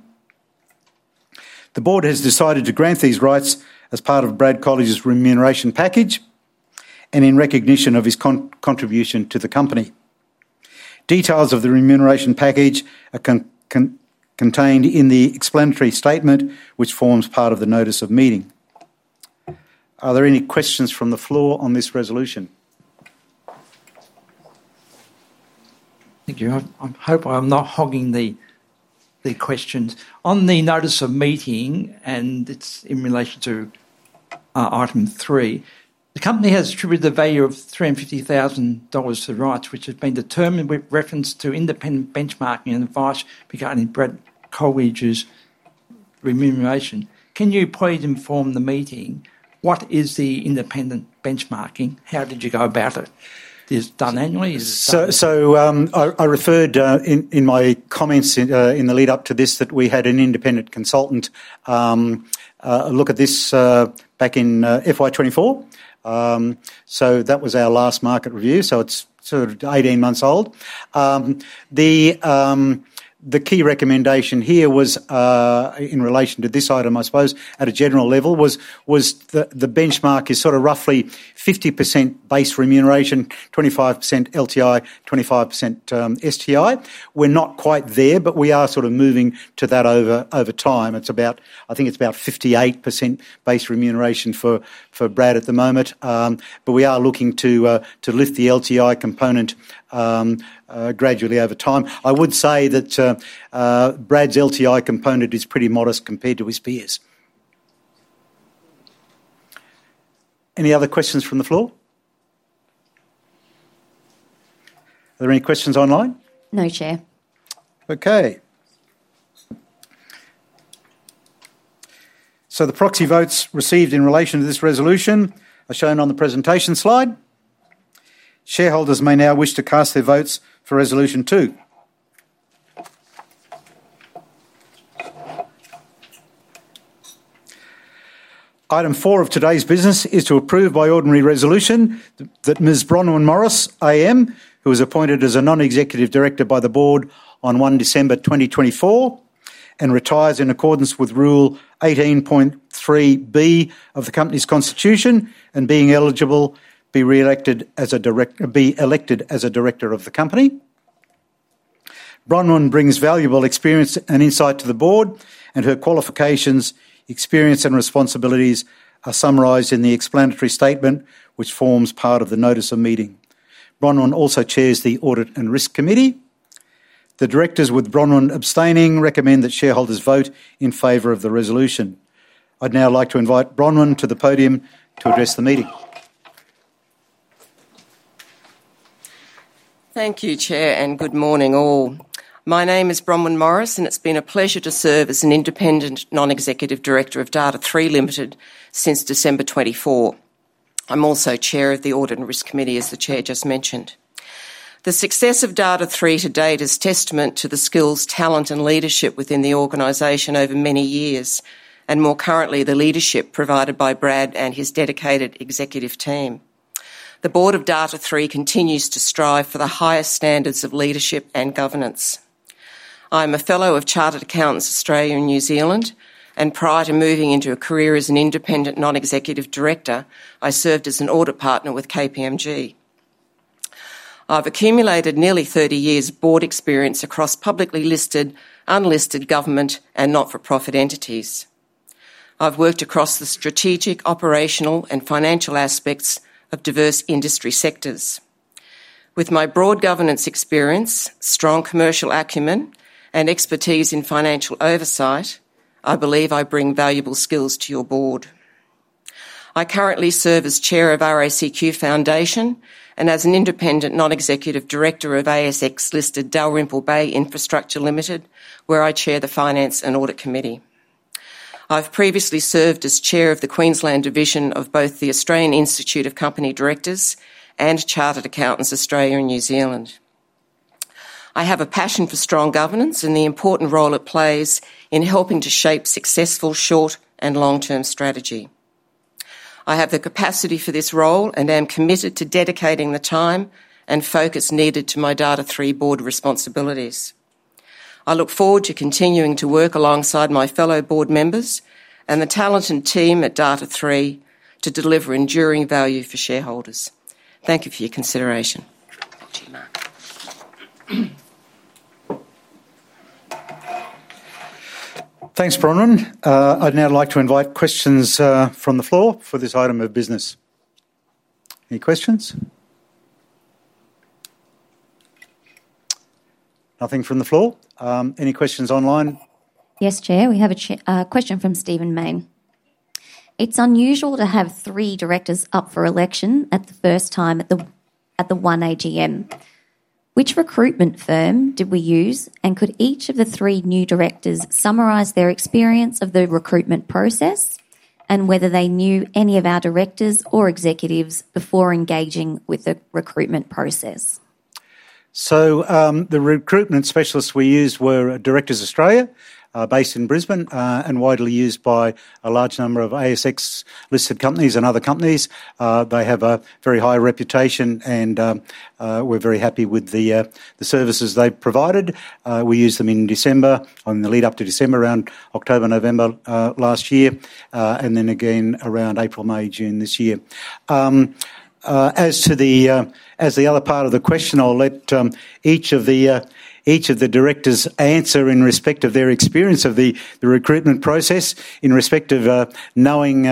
The Board has decided to grant these rights as part of Brad Colledge's remuneration package and in recognition of his contribution to the company. Details of the remuneration package are contained in the explanatory statement which forms part of the notice of meeting. Are there any questions from the floor on this resolution? Thank you. I hope I'm not hogging the questions on the notice of meeting. It's in relation to item 3. The company has attributed the value of 350,000 dollars to rights, which has been determined with reference to independent benchmarking and advice regarding Brad Colledge's remuneration. Can you please inform the meeting what is the independent benchmarking, how did you go about it? Is it done annually? I referred in my comments in the lead up to this that we had an independent consultant look at this back in FY 2024. That was our last market review, so it's sort of 18 months old. The key recommendation here was in relation to this item, I suppose at a general level, was the benchmark is sort of roughly 50% base remuneration, 25% LTI, 25% STI. We're not quite there, but we are sort of moving to that over time. I think it's about 58% base remuneration for Brad at the moment, but we are looking to lift the LTI component gradually over time. I would say that Brad's LTI component is pretty modest compared to his peers. Any other questions from the floor? Are there any questions online? No. Chair. Okay, so the proxy votes received in relation to this resolution are shown on the presentation slide. Shareholders may now wish to cast their votes for Resolution 2. Item 4 of today's business is to approve by ordinary resolution that Ms. Bronwyn Morris AM, who was appointed as a Non-Executive Director by the Board on 1 December 2024 and retires in accordance with Rule 183 of the Company's constitution and, being eligible, be elected as a Director of the company. Bronwyn brings valuable experience and insight to the Board and her qualifications, experience, and responsibilities are summarized in the explanatory statement which forms part of the notice of meeting. Bronwyn also chairs the Audit and Risk Committee. The directors, with Bronwyn abstaining, recommend that shareholders vote in favor of the resolution. I'd now like to invite Bronwyn to the podium to address the meeting. Thank you, Chair, and good morning all. My name is Bronwyn Morris and it's been a pleasure to serve as an independent Non-Executive Director of Data#3 Limited since December 24th. I'm also Chair of the Audit and Risk Committee. As the Chair just mentioned, the success of Data#3 to date is testament to the skills, talent, and leadership within the organization over many years and more. Currently, the leadership provided by Brad and his dedicated executive team. The Board of Data#3 continues to strive for the highest standards of leadership and governance. I'm a Fellow of Chartered Accountants Australia and New Zealand, and prior to moving into a career as an Independent Non-Executive Director, I served as an audit partner with KPMG. I've accumulated nearly 30 years board experience across publicly listed, unlisted, government, and not-for-profit entities. I've worked across the strategic, operational, and financial aspects of diverse industry sectors. With my broad governance experience, strong commercial acumen, and expertise in financial oversight, I believe I bring valuable skills to your Board. I currently serve as Chair of RACQ Foundation and as an Independent Non-Executive Director of ASX-listed Dalrymple Bay Infrastructure Limited, where I chair the Finance and Audit Committee. I've previously served as Chair of the Queensland Division of both the Australian Institute of Company Directors and Chartered Accountants Australia and New Zealand. I have a passion for strong governance and the important role it plays in helping to shape successful short and long-term strategy. I have the capacity for this role and am committed to dedicating the time and focus needed to my Data#3 Board responsibilities. I look forward to continuing to work alongside my fellow Board members and the talented team at Data#3 to deliver enduring value for shareholders. Thank you for your consideration. Thanks, Bronwyn. I'd now like to invite questions from the floor for this item of business. Any questions? Nothing from the floor. Any questions online? Yes Chair, we have a question from Stephen Main. It's unusual to have three directors up for election at the first time at the one AGM. Which recruitment firm did we use, and could each of the three new directors summarise their experience of the recruitment process and whether they knew any of our directors or executives before engaging with the recruitment process? The recruitment specialists we used were Directors Australia, based in Brisbane and widely used by a large number of ASX-listed companies and other companies. They have a very high reputation, and we're very happy with the services they provided. We used them in December, in the lead up to December, around October, November last year, and then again around April, May, June this year. As to the other part of the question, I'll let each of the directors answer in respect of their experience of the recruitment process. In respect of knowing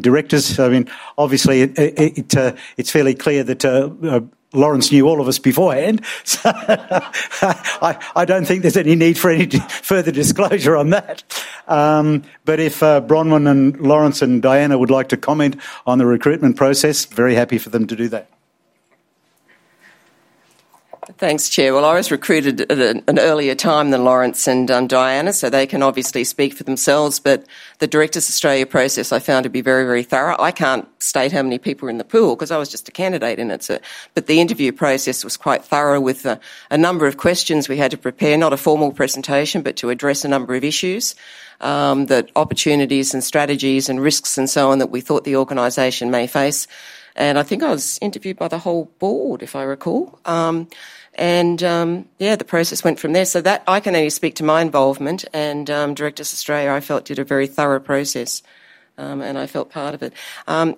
directors, I mean obviously it's fairly clear that Laurence knew all of us beforehand. I don't think there's any need for any further disclosure on that, but if Bronwyn, Laurence, and Diana would like to comment on the recruitment process, very happy for them to do that. Thanks, Chair. I was recruited at an earlier time than Laurence and Diana, so they can obviously speak for themselves, but the Directors Australia process I found to be very, very thorough. I can't state how many people are in the pool because I was just a candidate, but the interview process was quite thorough with a number of questions we had to prepare. Not a formal presentation, but to address a number of issues, opportunities, strategies, and risks and so on that we thought the organization may face. I think I was interviewed by the whole board, if I recall. The process went from there, so I can only speak to my involvement, and Directors Australia I felt did a very thorough process and I felt part of it.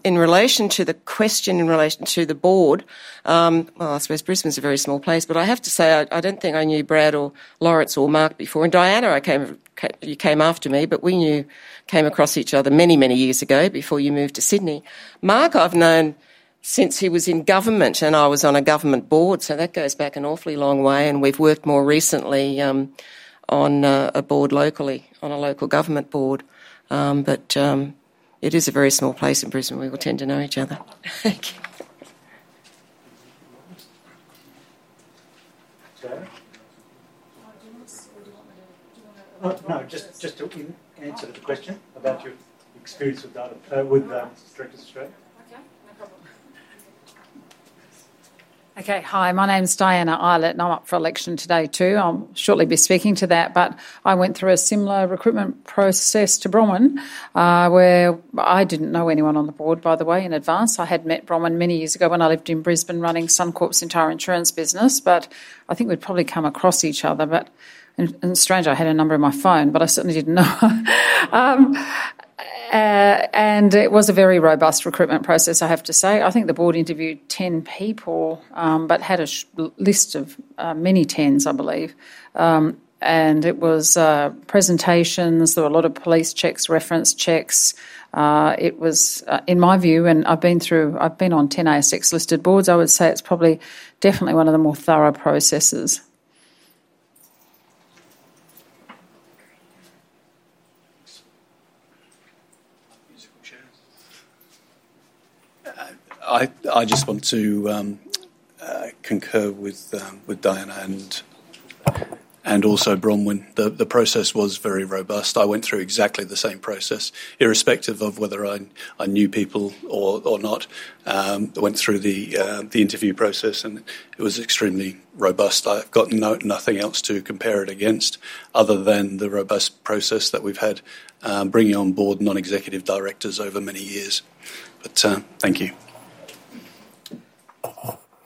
In relation to the question in relation to the board, I suppose Brisbane's a very small place, but I have to say I don't think I knew Brad or Laurence or Mark before. Diana, you came after me, but we came across each other many, many years ago before you moved to Sydney. Mark, I've known since he was in government and I was on a government board, so that goes back an awfully long way. We've worked more recently on a board locally, on a local government board. It is a very small place in Brisbane. We will tend to know each other. Thank you. No, just in answer to the question about your experience with Directors Australia. Okay. Hi, my name is Diana Eilert and I'm up for election today too. I'll shortly be speaking to that. I went through a similar recruitment process to Bronwyn where I didn't know anyone on the board, by the way, in advance. I had met Bronwyn many years ago when I lived in Brisbane running Suncorp's entire insurance business. I think we'd probably come across each other and, strange, I had a number in my phone, but I certainly didn't know. It was a very robust recruitment process, I have to say. I think the board interviewed 10 people but had a list of many tens, I believe, and it was presentations. There were a lot of police checks, reference checks. It was, in my view, and I've been through, I've been on 10 ASX listed boards, I would say it's probably definitely one of the more thorough processes. I just want to concur with Diana and also Bronwyn. The process was very robust. I went through exactly the same process irrespective of whether I knew people or not, went through the interview process, and it was extremely robust. I've got nothing else to compare it against other than the robust process that we've had bringing on board non-executive directors over many years. Thank you.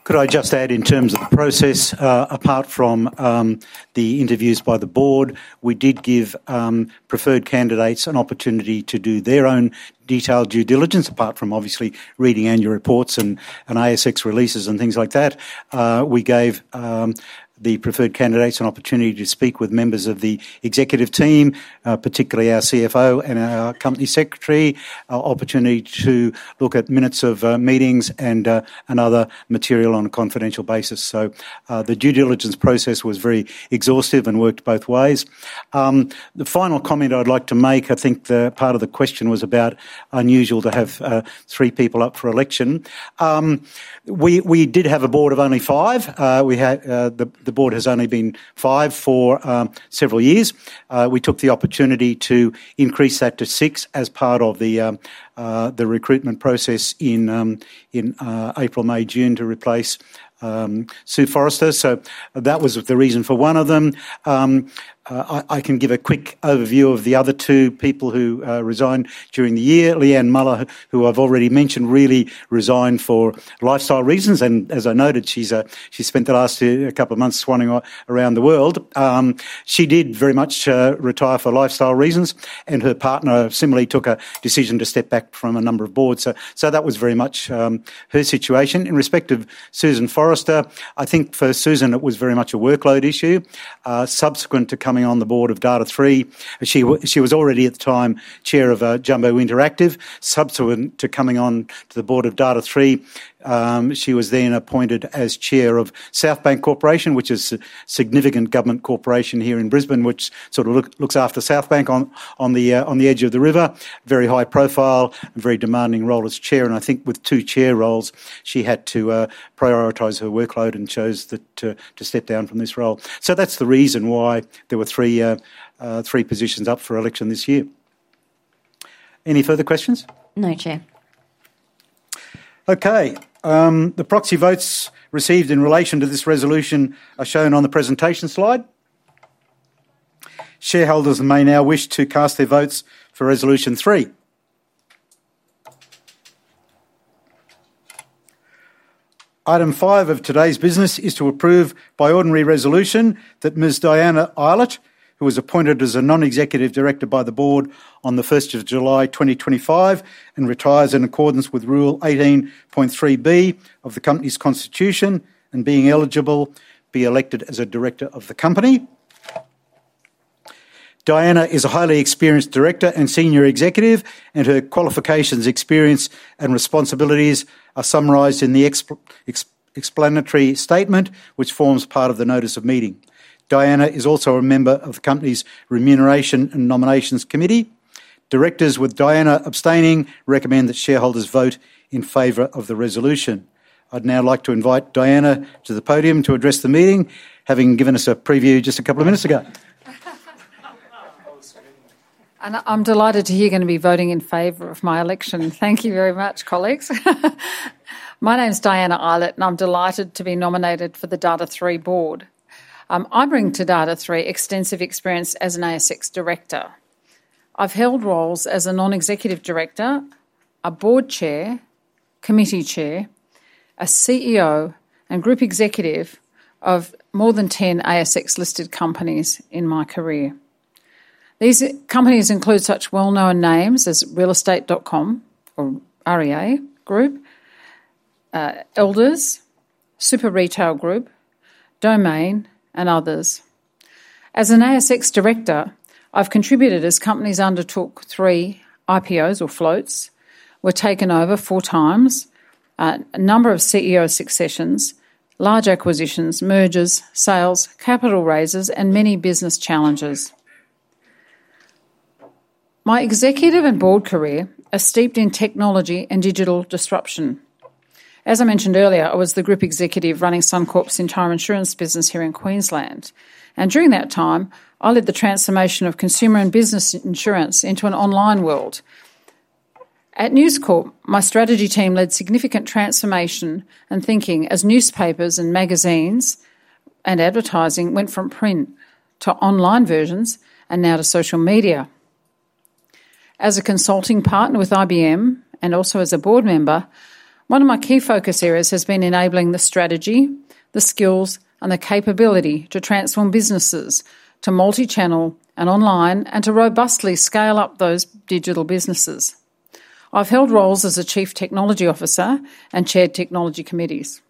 Could I just add in terms of the process, apart from the interviews by the Board, we did give preferred candidates an opportunity to do their own detailed due diligence. Apart from obviously reading annual reports and ASX releases and things like that, we gave the preferred candidates an opportunity to speak with members of the executive team, particularly our CFO and our Company Secretary, opportunity to look at minutes of meetings and other material on a confidential basis. The due diligence process was very exhaustive and worked both ways. The final comment I'd like to make, I think part of the question was about unusual to have three people up for election. We did have a Board of only five. The Board has only been five for several years. We took the opportunity to increase that to six as part of the recruitment process in April, May, June to replace Susan Forrester. That was the reason for one of them. I can give a quick overview of the other two people who resigned during the year. Leanne Muller, who I've already mentioned, really resigned for lifestyle reasons and as I noted, she spent the last couple of months swanning around the world. She did very much retire for lifestyle reasons and her partner similarly took a decision to step back from a number of boards. That was very much her situation. In respect of Susan Forrester, I think for Susan it was very much a workload issue. Subsequent to coming on the Board of Data#3, she was already at the time Chair of Jumbo Interactive. Subsequent to coming on to the Board of Data#3, she was then appointed as Chair of Southbank Corporation, which is a significant government corporation here in Brisbane which looks after Southbank on the edge of the river. Very high profile, very demanding role as Chair and I think with two Chair roles she had to prioritize her workload and chose to step down from this role. That's the reason why there were three positions up for election this year. Any further questions? No. Chair. Okay. The proxy votes received in relation to this resolution are shown on the presentation slide. Shareholders may now wish to cast their votes for Resolution 3. Item 5 of today's business is to approve by ordinary resolution that Ms. Diana Eilert, who was appointed as a Non-Executive Director by the Board on 1 July 2025 and retires in accordance with Rule 18.3 of the Company's constitution and, being eligible, be elected as a Director of the company. Diana is a highly experienced Director and senior executive, and her qualifications, experience, and responsibilities are summarised in the explanatory statement which forms part of the notice of meeting. Diana is also a member of the company's Remuneration and Nominations Committee. Directors, with Diana abstaining, recommend that shareholders vote in favor of the resolution. I'd now like to invite Diana to the podium to address the meeting, having given us a preview just a couple of minutes ago. I'm delighted to hear you're going to be voting in favor of my election. Thank you very much, colleagues. My name is Diana Eilert and I'm delighted to be nominated for the Data#3 board. I bring to Data#3 extensive experience as an ASX Director. I've held roles as a Non-Executive Director, a Board Chair, Committee Chair, a CEO, and Group Executive of more than 10 ASX-listed companies in my career. These companies include such well-known names as realestate.com or REA Group, Elders, Super Retail Group, Domain, and others. As an ASX Director, I've contributed as companies undertook three IPOs or floats, were taken over four times, a number of CEO successions, large acquisitions, mergers, sales, capital raises, and many business challenges. My executive and board career are steeped in technology and digital disruption. As I mentioned earlier, I was the Group Executive running Suncorp's entire insurance business here in Queensland and during that time I led the transformation of consumer and business insurance into an online world. At News Corp, my strategy team led significant transformation and thinking as newspapers and magazines and advertising went from print to online versions and now to social media. As a consulting partner with IBM and also as a board member, one of my key focus areas has been enabling the strategy, the skills, and the capability to transform businesses to multi-channel and online and to robustly scale up those digital businesses. I've held roles as a Chief Technology Officer and chaired technology committees.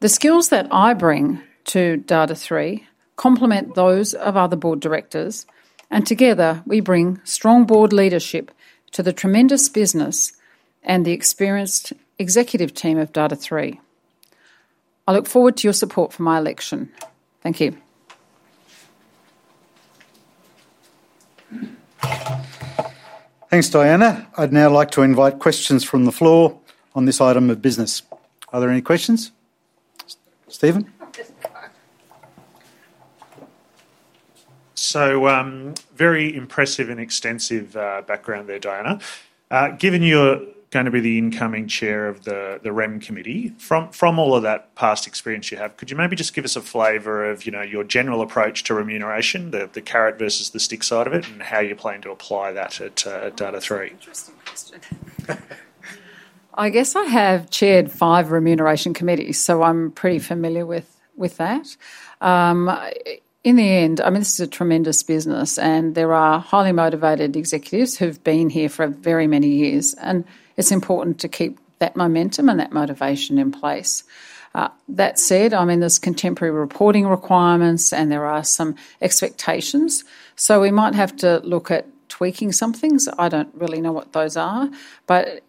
The skills that I bring to Data#3 complement those of other Board Directors and together we bring strong board leadership to the tremendous business and the experienced executive team of Data#3. I look forward to your support for my election. Thank you. Thanks, Diana. I'd now like to invite questions from the floor on this item of business. Are there any questions? Stephen? Very impressive and extensive background there. Diana, given you're going to be the incoming Chair of the Remuneration and Nominations Committee, from all of that past experience you have, could you maybe just give us a flavor of your general approach to remuneration, the carrot versus the stick side of it, and how you plan to apply that at Data#3? Interesting question. I guess I have chaired five remuneration committees, so I'm pretty familiar with that. In the end, I mean this is a tremendous business and there are highly motivated executives who've been here for very many years, and it's important to keep that momentum and that motivation in place. That said, I mean there's contemporary reporting requirements and there are some expectations, so we might have to look at tweaking some things. I don't really know what those are.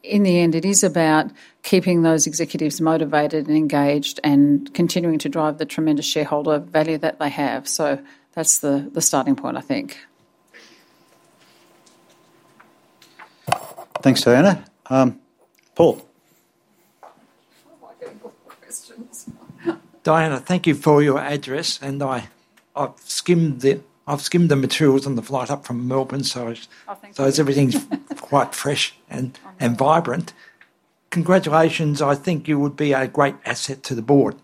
In the end, it is about keeping those executives motivated and engaged and continuing to drive the tremendous shareholder value that they have. That's the starting point, I think. Thank you. Thanks, Diana. Paul. Diana, thank you for your address. I've skimmed the materials on the flight up from Melbourne, so everything's quite fresh and vibrant. Congratulations. I think you would be a great asset to the board.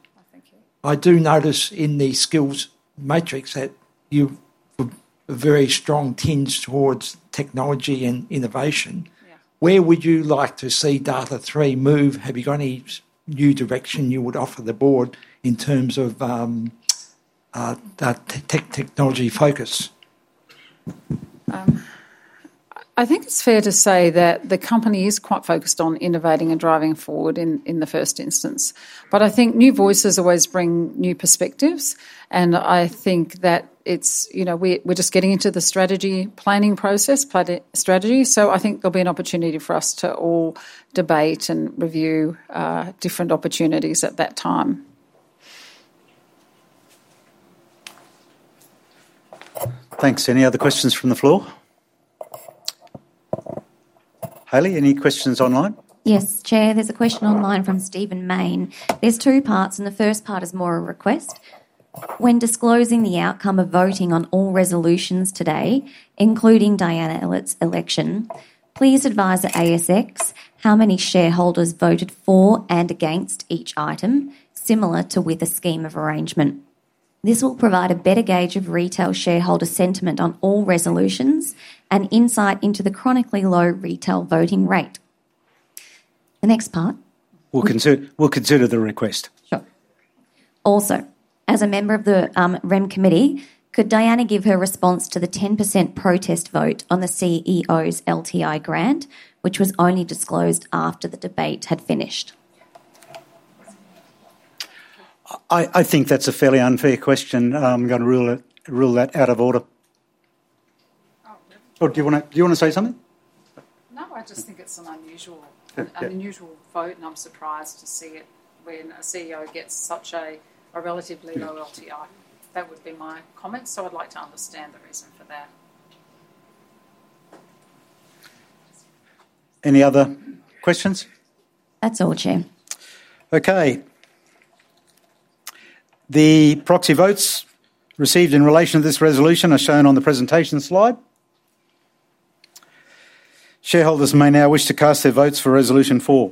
I do notice in the skills matrix that you have a very strong tinge towards technology and innovation. Where would you like to see Data#3 move? Have you got any new direction you would offer the board in terms of technology focus? I think it's fair to say that the company is quite focused on innovating and driving forward in the first instance. I think new voices always bring new perspectives, and I think that it's, you know, we're just getting into the strategy planning process. Strategy. I think there'll be an opportunity for us to all debate and review different opportunities at that time. Thanks. Any other questions from the floor? Hayley, any questions online? Yes, Chair. There's a question online from Stephen Main. There's two parts and the first part is more a request. When disclosing the outcome of voting on all resolutions today, including Diana Eilert's election, please advise at ASX how many shareholders voted for and against each item. Similar to with a scheme of arrangement. This will provide a better gauge of retail shareholder sentiment on all resolutions and insight into the chronically low retail voting rate. The next part, we'll consider the request. Sure. Also, as a member of the Remuneration and Nominations Committee, could Diana give her response to the 10% protest vote on the CEO's LTI grant, which was only disclosed after the debate had finished. I think that's a fairly unfair question. I'm going to rule it out of order. Do you want to say something? No, I just think it's an unusual, unusual vote, and I'm surprised to see it when a CEO gets such a relatively low LTI. That would be my comment. I'd like to understand the reason for that. Any other questions? That's all, Chair. Okay. The proxy votes received in relation to this resolution are shown on the presentation slide. Shareholders may now wish to cast their votes for Resolution 4,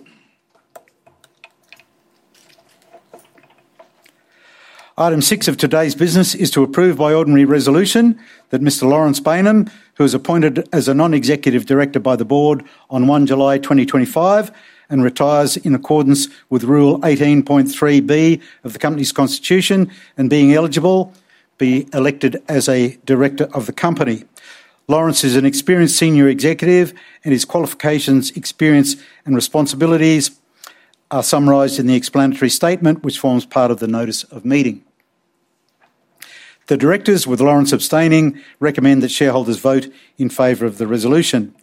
Item 6 of today's business is to approve by ordinary resolution that Mr. Laurence Baynham, who is appointed as a Non-Executive Director by the Board on 1 July 2025 and retires in accordance with Rule 183 of the Company's constitution and being eligible, be elected as a Director of the company. Laurence is an experienced senior executive and his qualifications, experience, and responsibilities are summarised in the explanatory statement which forms part of the notice of meeting. The Directors, with Laurence abstaining, recommend that shareholders vote in favor of the resolution.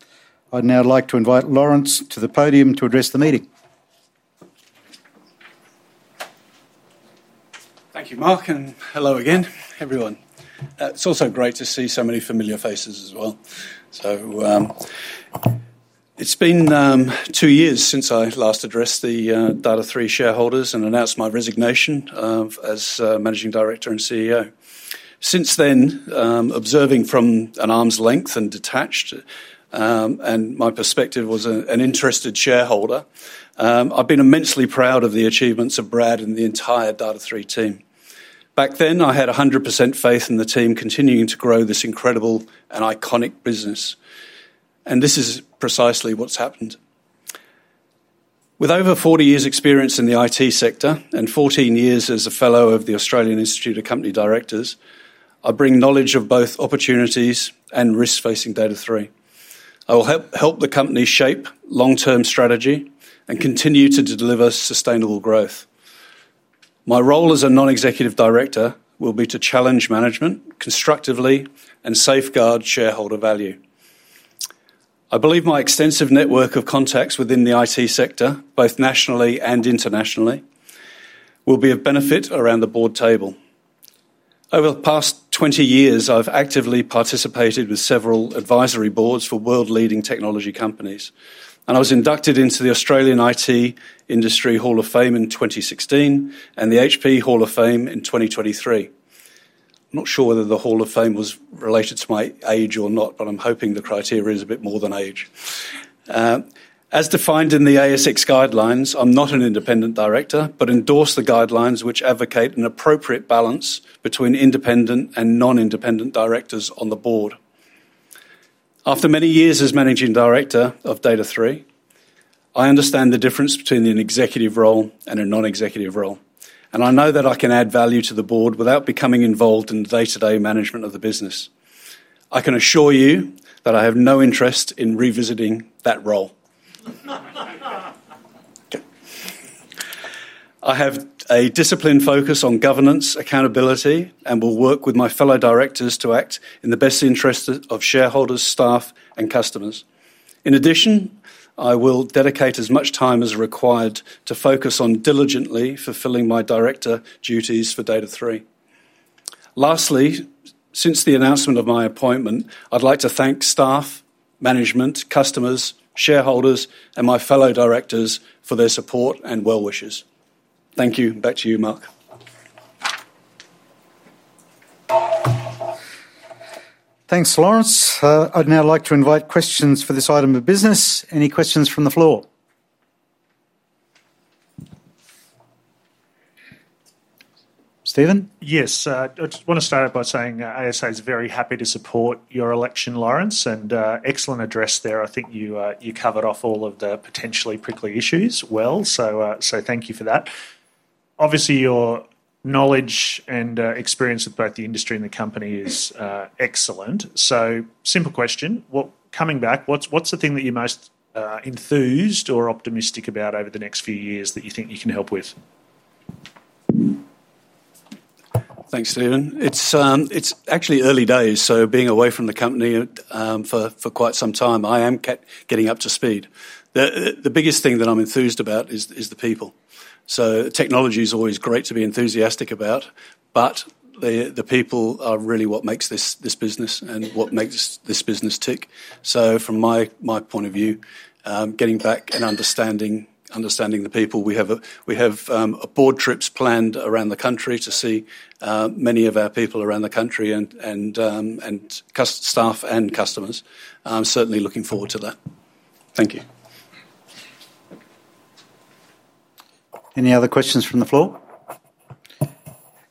I'd now like to invite Laurence to the podium to address the meeting. Thank you, Mark, and hello again, everyone. It's also great to see so many familiar faces as well. It's been two years since I last addressed the Data#3 shareholders and announced my resignation as Managing Director and CEO. Since then, observing from an arm's length and detached, my perspective was an interested shareholder. I've been immensely proud of the achievements of Brad and the entire Data#3 team. Back then, I had 100% faith in the team continuing to grow this incredible and iconic business. This is precisely what's happened. With over 40 years' experience in the IT sector and 14 years as a fellow of the Australian Institute of Company Directors, I bring knowledge of both opportunities and risk facing Data#3. I will help the company shape long-term strategy and continue to deliver sustainable growth. My role as a Non-Executive Director will be to challenge management constructively and safeguard shareholder value. I believe my extensive network of contacts within the IT sector, both nationally and internationally, will be of benefit. Around the board table over the past 20 years, I've actively participated with several advisory boards for world-leading technology companies, and I was inducted into the Australian IT Industry Hall of Fame in 2016 and the HP Hall of Fame in 2023. Not sure whether the Hall of Fame was related to my age or not, but I'm hoping the criteria is a bit more than age as defined in the ASX guidelines. I'm not an independent Director but endorse the guidelines which advocate an appropriate balance between independent and non-independent directors on the board. After many years as Managing Director of Data#3, I understand the difference between an executive role and a non-executive role, and I know that I can add value to the board without becoming involved in day-to-day management of the business. I can assure you that I have no interest in revisiting that role. I have a disciplined focus on governance, accountability, and will work with my fellow directors to act in the best interest of shareholders, staff, and customers. In addition, I will dedicate as much time as required to focus on diligently fulfilling my Director duties for Data#3. Lastly, since the announcement of my appointment, I'd like to thank staff, management, customers, shareholders, and my fellow directors for their support and well wishes. Thank you. Back to you, Mark. Thanks, Laurence. I'd now like to invite questions for this item of business. Any questions from the floor, Stephen? Yes, I just want to start out by saying ASA is very happy to support your election, Laurence, and excellent address there. I think you covered off all of the potentially prickly issues well, so thank you for that. Obviously, your knowledge and experience with both the industry and the company is excellent. Simple question coming back. What's the thing that you're most enthused or optimistic about over the next few years that you think you can help with? Thanks, Stephen. It's actually early days. Being away from the company for quite some time, I am getting up to speed. The biggest thing that I'm enthused about is the people. Technology is always great to be enthusiastic about, but the people are really what makes this business and what makes this business tick. From my point of view, getting back and understanding the people, we have board trips planned around the country to see many of our people around the country and staff and customers. I'm certainly looking forward to that. Thank you. Any other questions from the floor?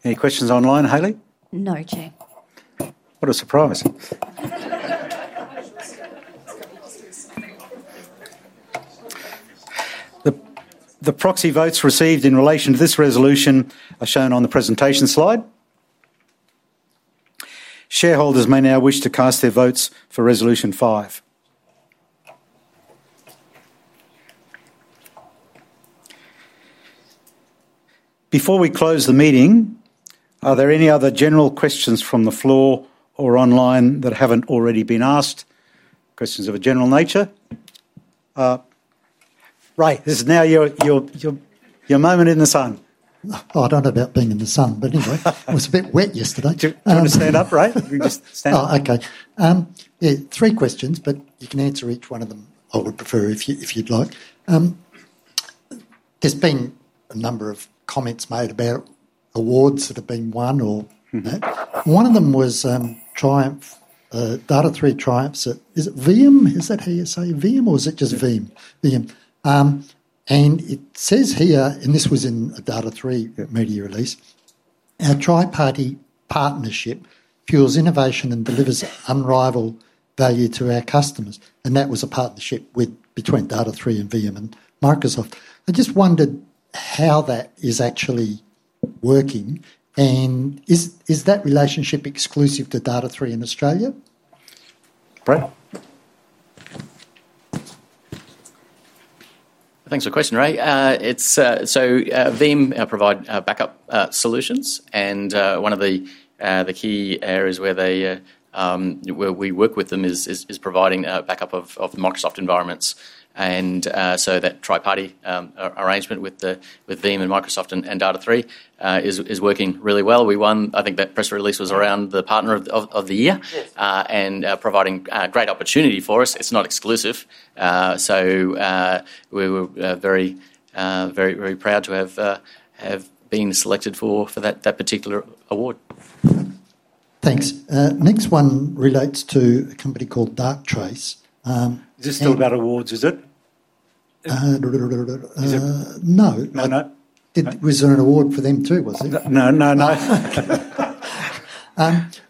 Any questions online, Hayley? No. Chair. What a surprise. The proxy votes received in relation to this resolution are shown on the presentation slide. Shareholders may now wish to cast their votes for Resolution 5 before we close the meeting. Are there any other general questions from the floor or online that haven't already been asked? Questions of a general nature? Ray, this is now your moment in the sun. I don't know about being in the sun, but anyway, it was a bit wet yesterday. Do you want to stand up? Right, okay. Three questions, but you can answer each one of them if you'd prefer. There's been a number of comments made about awards that have been won or one of them was triumph. Data#3 triumphs. Is it VIAM? Is that how you say VIAM or is it just. It says here, and this was in a Data#3 media release, our Tri Party partnership fuels innovation and delivers unrivaled value to our customers. That was a partnership between Data#3 and VM and Microsoft. I just wondered how that is actually working. Is that relationship exclusive to Data#3 in Australia? Thanks for the question, Ray. Veeam provide backup solutions and one of the key areas where they, where we work with them is providing backup of Microsoft environments. That tri-party arrangement with Veeam and Microsoft and Data#3 is working really well. I think that press release was around the partner of the year and providing great opportunity for us. It's not exclusive, so we were very proud to have been selected for that particular award. Thanks. Next one relates to a company called Darktrace. Is this still about awards? No. Was there an award for them too? No, no, no.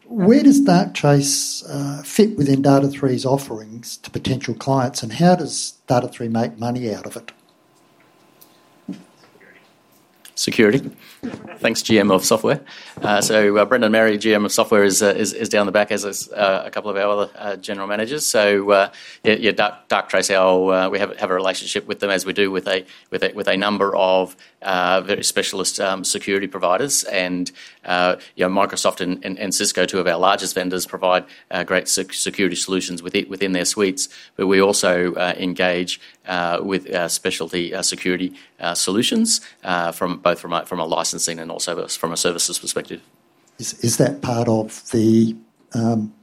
Where does Darktrace fit within Data#3's offerings to potential clients, and how does Data#3 make money out of it? Security. Thanks. GM of Software, so Brendan Mary, GM of Software, is down the back, as are a couple of our other General Managers. Darktrace, we have a relationship with them as we do with a number of very specialist security providers. Microsoft and Cisco, two of our largest vendors, provide great security solutions within their suites. We also engage with specialty security solutions from both a licensing and a services perspective. Is that part of the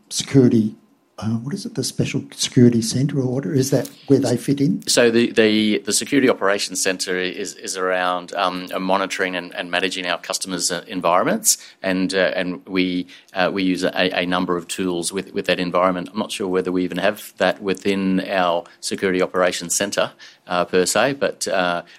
security? What is it, the special security center order? Is that where they fit in? The Security Operations Centre is around monitoring and managing our customers' environments, and we use a number of tools with that environment. I'm not sure whether we even have that within our Security Operations Centre per se, but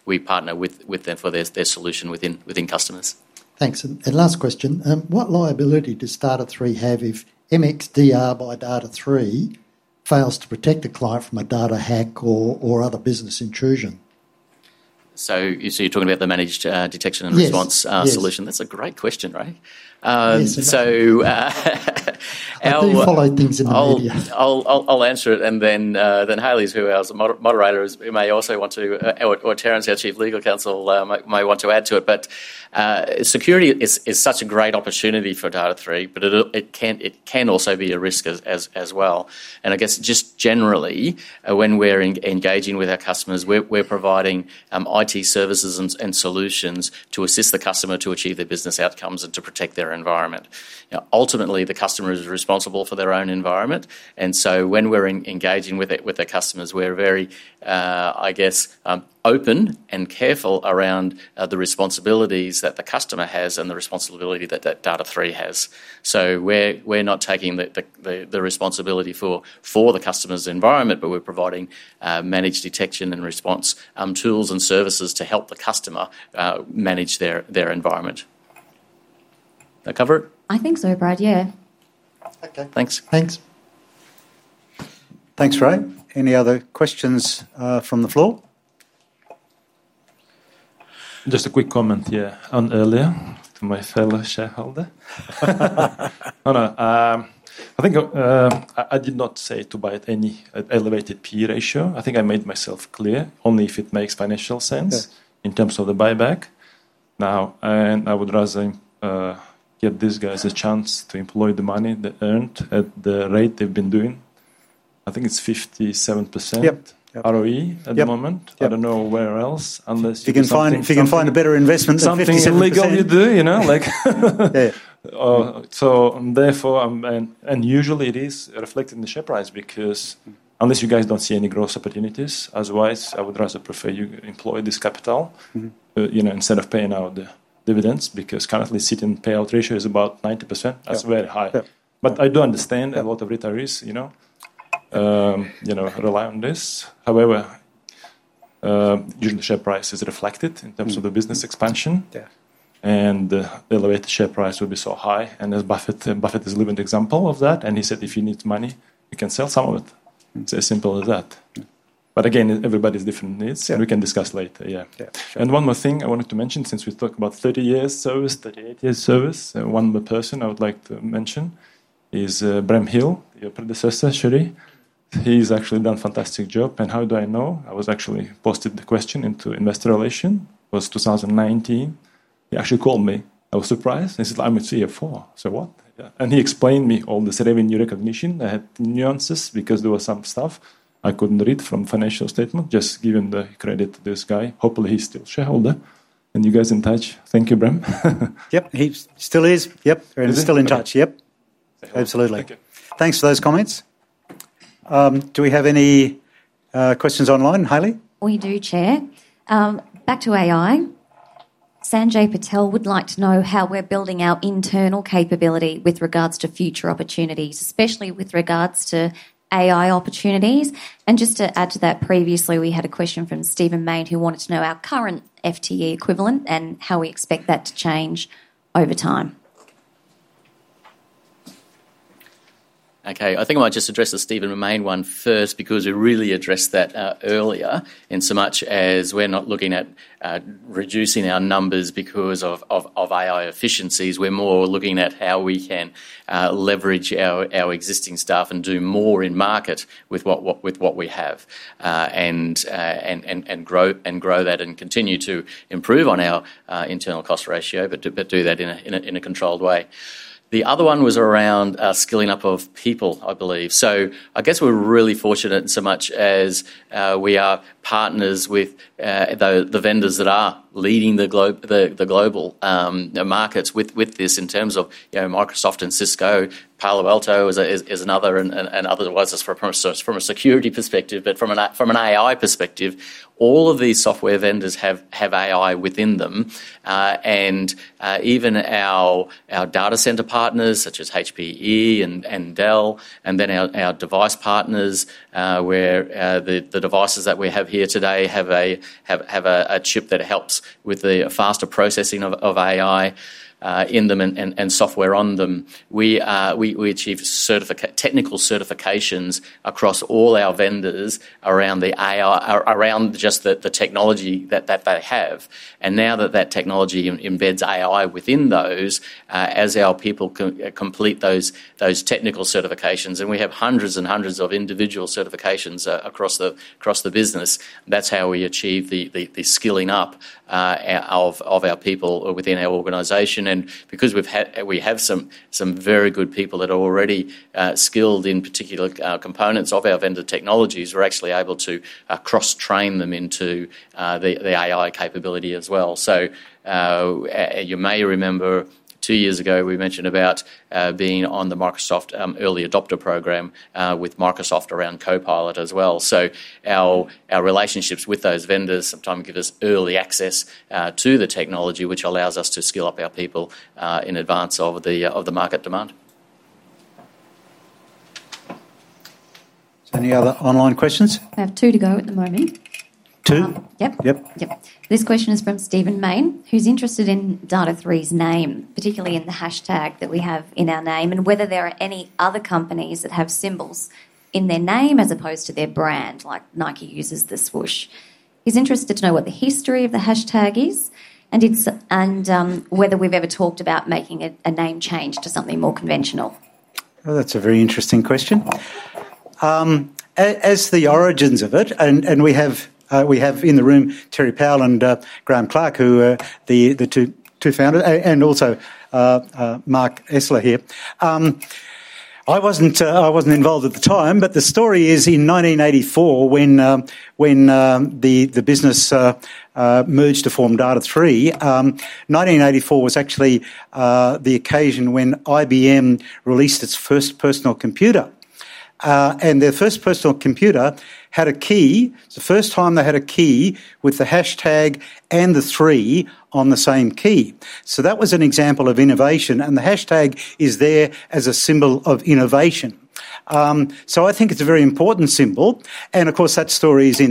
we partner with them for their solution within customers. Thanks. Last question. What liability does Data#3 have if MXDR by Data#3 fails to protect a client from a data hack or other business intrusion? You're talking about the managed detection and response solution. That's a great question. I'll answer it, and then Hayley, who is our moderator, may also want to. Terrence, our Chief Legal Counsel, may want to add to it. Security is such a great opportunity for Data#3, but it can also be a risk as well. I guess just generally when we're engaging with our customers, we're providing IT services and solutions to assist the customer to achieve their business outcomes and to protect their environment. Ultimately, the customer is responsible for their own environment. When we're engaging with the customers, we're very open and careful around the responsibilities that the customer has and the responsibility that Data#3 has. We're not taking the responsibility for the customer's environment, but we're providing managed detection and response tools and services to help the customer manage their environment. That cover it? I think so, Brad. Yeah. Okay, thanks. Thanks. Thanks, Ray. Any other questions from the floor? Just a quick comment here on earlier to my fellow shareholder. I think I did not say to buy at any elevated P.E. ratio. I think I made myself clear only if it makes financial sense in terms of the buyback now. I would rather give these guys a chance to employ the money they earned at the rate they've been doing. I think it's 57% R.O.E. at the moment. I don't know where else unless if. You can find a better investment, something. Legal, you do, you know, like so therefore. Usually it is reflected in the share price because unless you guys don't see any growth opportunities, otherwise I would rather prefer you employ this capital, you know, instead of paying out the dividends. Currently sitting payout ratio is about 90%. That's very high. I do understand a lot of retirees, you know, rely on this. However, usually share price is reflected in terms of the business expansion and the elevated share price would be so high. As Buffett is a living example of that and he said if he needs money, you can sell some of it. It's as simple as that. Again, everybody's different needs and we can discuss later. One more thing I wanted to mention since we talked about 30 years service, 38 years service, one person I would like to mention is Bremner Hill. Yeah, predecessor. He's actually done fantastic job and how do I know I was actually posted the question into investor relation was 2019. He actually called me, I was surprised. He said I'm a CFO, so what? He explained me all the serenity, recognition I had nuances because there was some stuff I couldn't read from financial statement. Just giving the credit to this guy. Hopefully he's still shareholder. You guys in touch. Thank you, Bremner. Yep, he still is. Yep, still in touch. Yep, absolutely. Thanks for those comments. Do we have any questions online, Hayley? We do. Chair, back to AI. Sanjay Patel would like to know how we're building our internal capability with regards to future opportunities, especially with regards to AI opportunities. Just to add to that, previously we had a question from Stephen Main who wanted to know our current FTE equivalent and how we expect that to change over time. Okay, I think I might just address the Stephen Main one first because we really addressed that earlier in so much as we're not looking at reducing our numbers because of AI efficiencies, we're more looking at how we can leverage our existing staff and do more in market with what we have and grow that and continue to improve on our internal cost ratio, but do that in a controlled way. The other one was around skilling up of people, I believe. I guess we're really fortunate in so much as we are partners with the vendors that are leading the global markets with this in terms of Microsoft and Cisco. Palo Alto is another, and otherwise from a security perspective, but from an AI perspective, all of these software vendors have AI within them and even our data center partners such as HPE and Dell, and then our device partners, where the devices that we have here today have a chip that helps with the faster processing of AI in them and software on them. We achieve technical certifications across all our vendors around the AI, around just the technology that they have. Now that that technology embeds AI within those, as our people complete those technical certifications and we have hundreds and hundreds of individual certifications across the business, that's how we achieve the skilling up of our people within our organization. Because we have some very good people that are already skilled in particular components of our vendor technologies, we are actually able to cross train them into the AI capability as well. You may remember two years ago we mentioned about being on the Microsoft early adopter program with Microsoft around Copilot as well. Our relationships with those vendors sometimes give us early access to the technology, which allows us to skill up our people in advance of the market demand. Any other online questions? I have two to go at the moment. Two? Yep. Yep. This question is from Steven Main who's interested in Data#3's name, particularly in the hashtag that we have in our name and whether there are any other companies that have symbols in their name as opposed to their brand like Nike uses the swoosh. He's interested to know what the history of the hashtag is and whether we've ever talked about making a name change to something more conventional. That's a very interesting question as to the origins of it. We have in the room Terry Powell and Graham Clark, who are the two founders, and also Mark Esler here. I wasn't involved at the time, but the story is in 1984 when the business merged to form Data#3. 1984 was actually the occasion when IBM released its first personal computer. Their first personal computer had a key, the first time they had a key with the hashtag and the three on the same key. That was an example of innovation, and the hashtag is there as a symbol of innovation. I think it's a very important symbol. Of course, that story is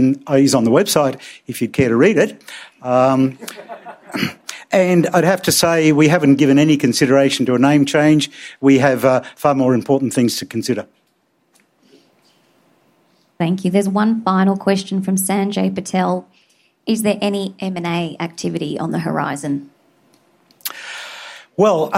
on the website if you'd care to read it. I'd have to say we haven't given any consideration to a name change. We have far more important things to consider. Thank you. There's one final question from Sanjay Patel. Is there any M&A activity on the horizon? Well.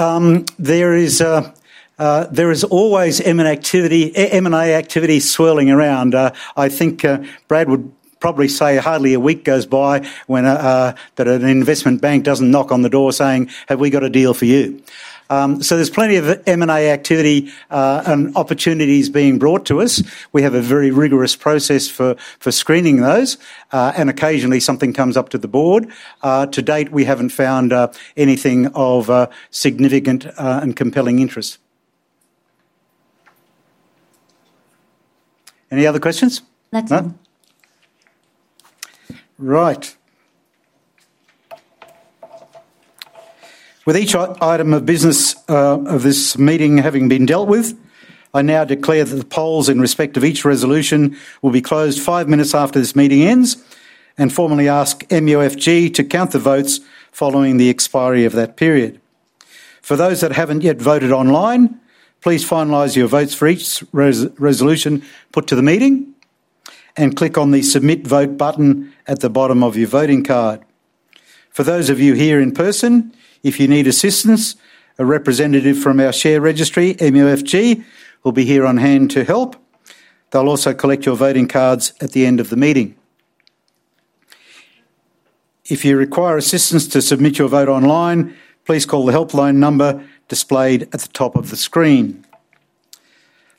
There is always M&A activity swirling around. I think Brad would probably say hardly a week goes by when an investment bank doesn't knock on the door saying, have we got a deal for you? There's plenty of M&A activity and opportunities being brought to us. We have a very rigorous process for screening those, and occasionally something comes up to the Board. To date, we haven't found anything of significant and compelling interest. Any other questions? Right. With each item of business of this meeting having been dealt with, I now declare that the polls in respect of each resolution will be closed five minutes after this meeting ends and formally ask MUFG to count the votes following the expiry of that period. For those that haven't yet voted online, please finalize your votes for each resolution put to the meeting and click on the Submit Vote button at the bottom of your voting card. For those of you here in person, if you need assistance, a representative from our share registry, MUFG, will be here on hand to help. They'll also collect your voting cards at the end of the meeting. If you require assistance to submit your vote online, please call the helpline number displayed at the top of the screen.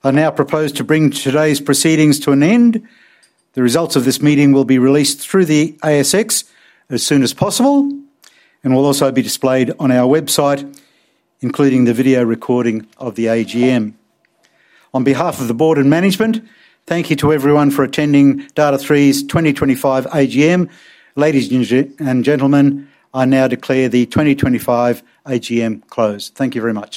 I now propose to bring today's proceedings to an end. The results of this meeting will be released through the ASX as soon as possible and will also be displayed on our website, including the video recording of the AGM. On behalf of the Board and management, thank you to everyone for attending Data#3's 2025 AGM. Ladies and gentlemen, I now declare the 2025 AGM closed. Thank you very much.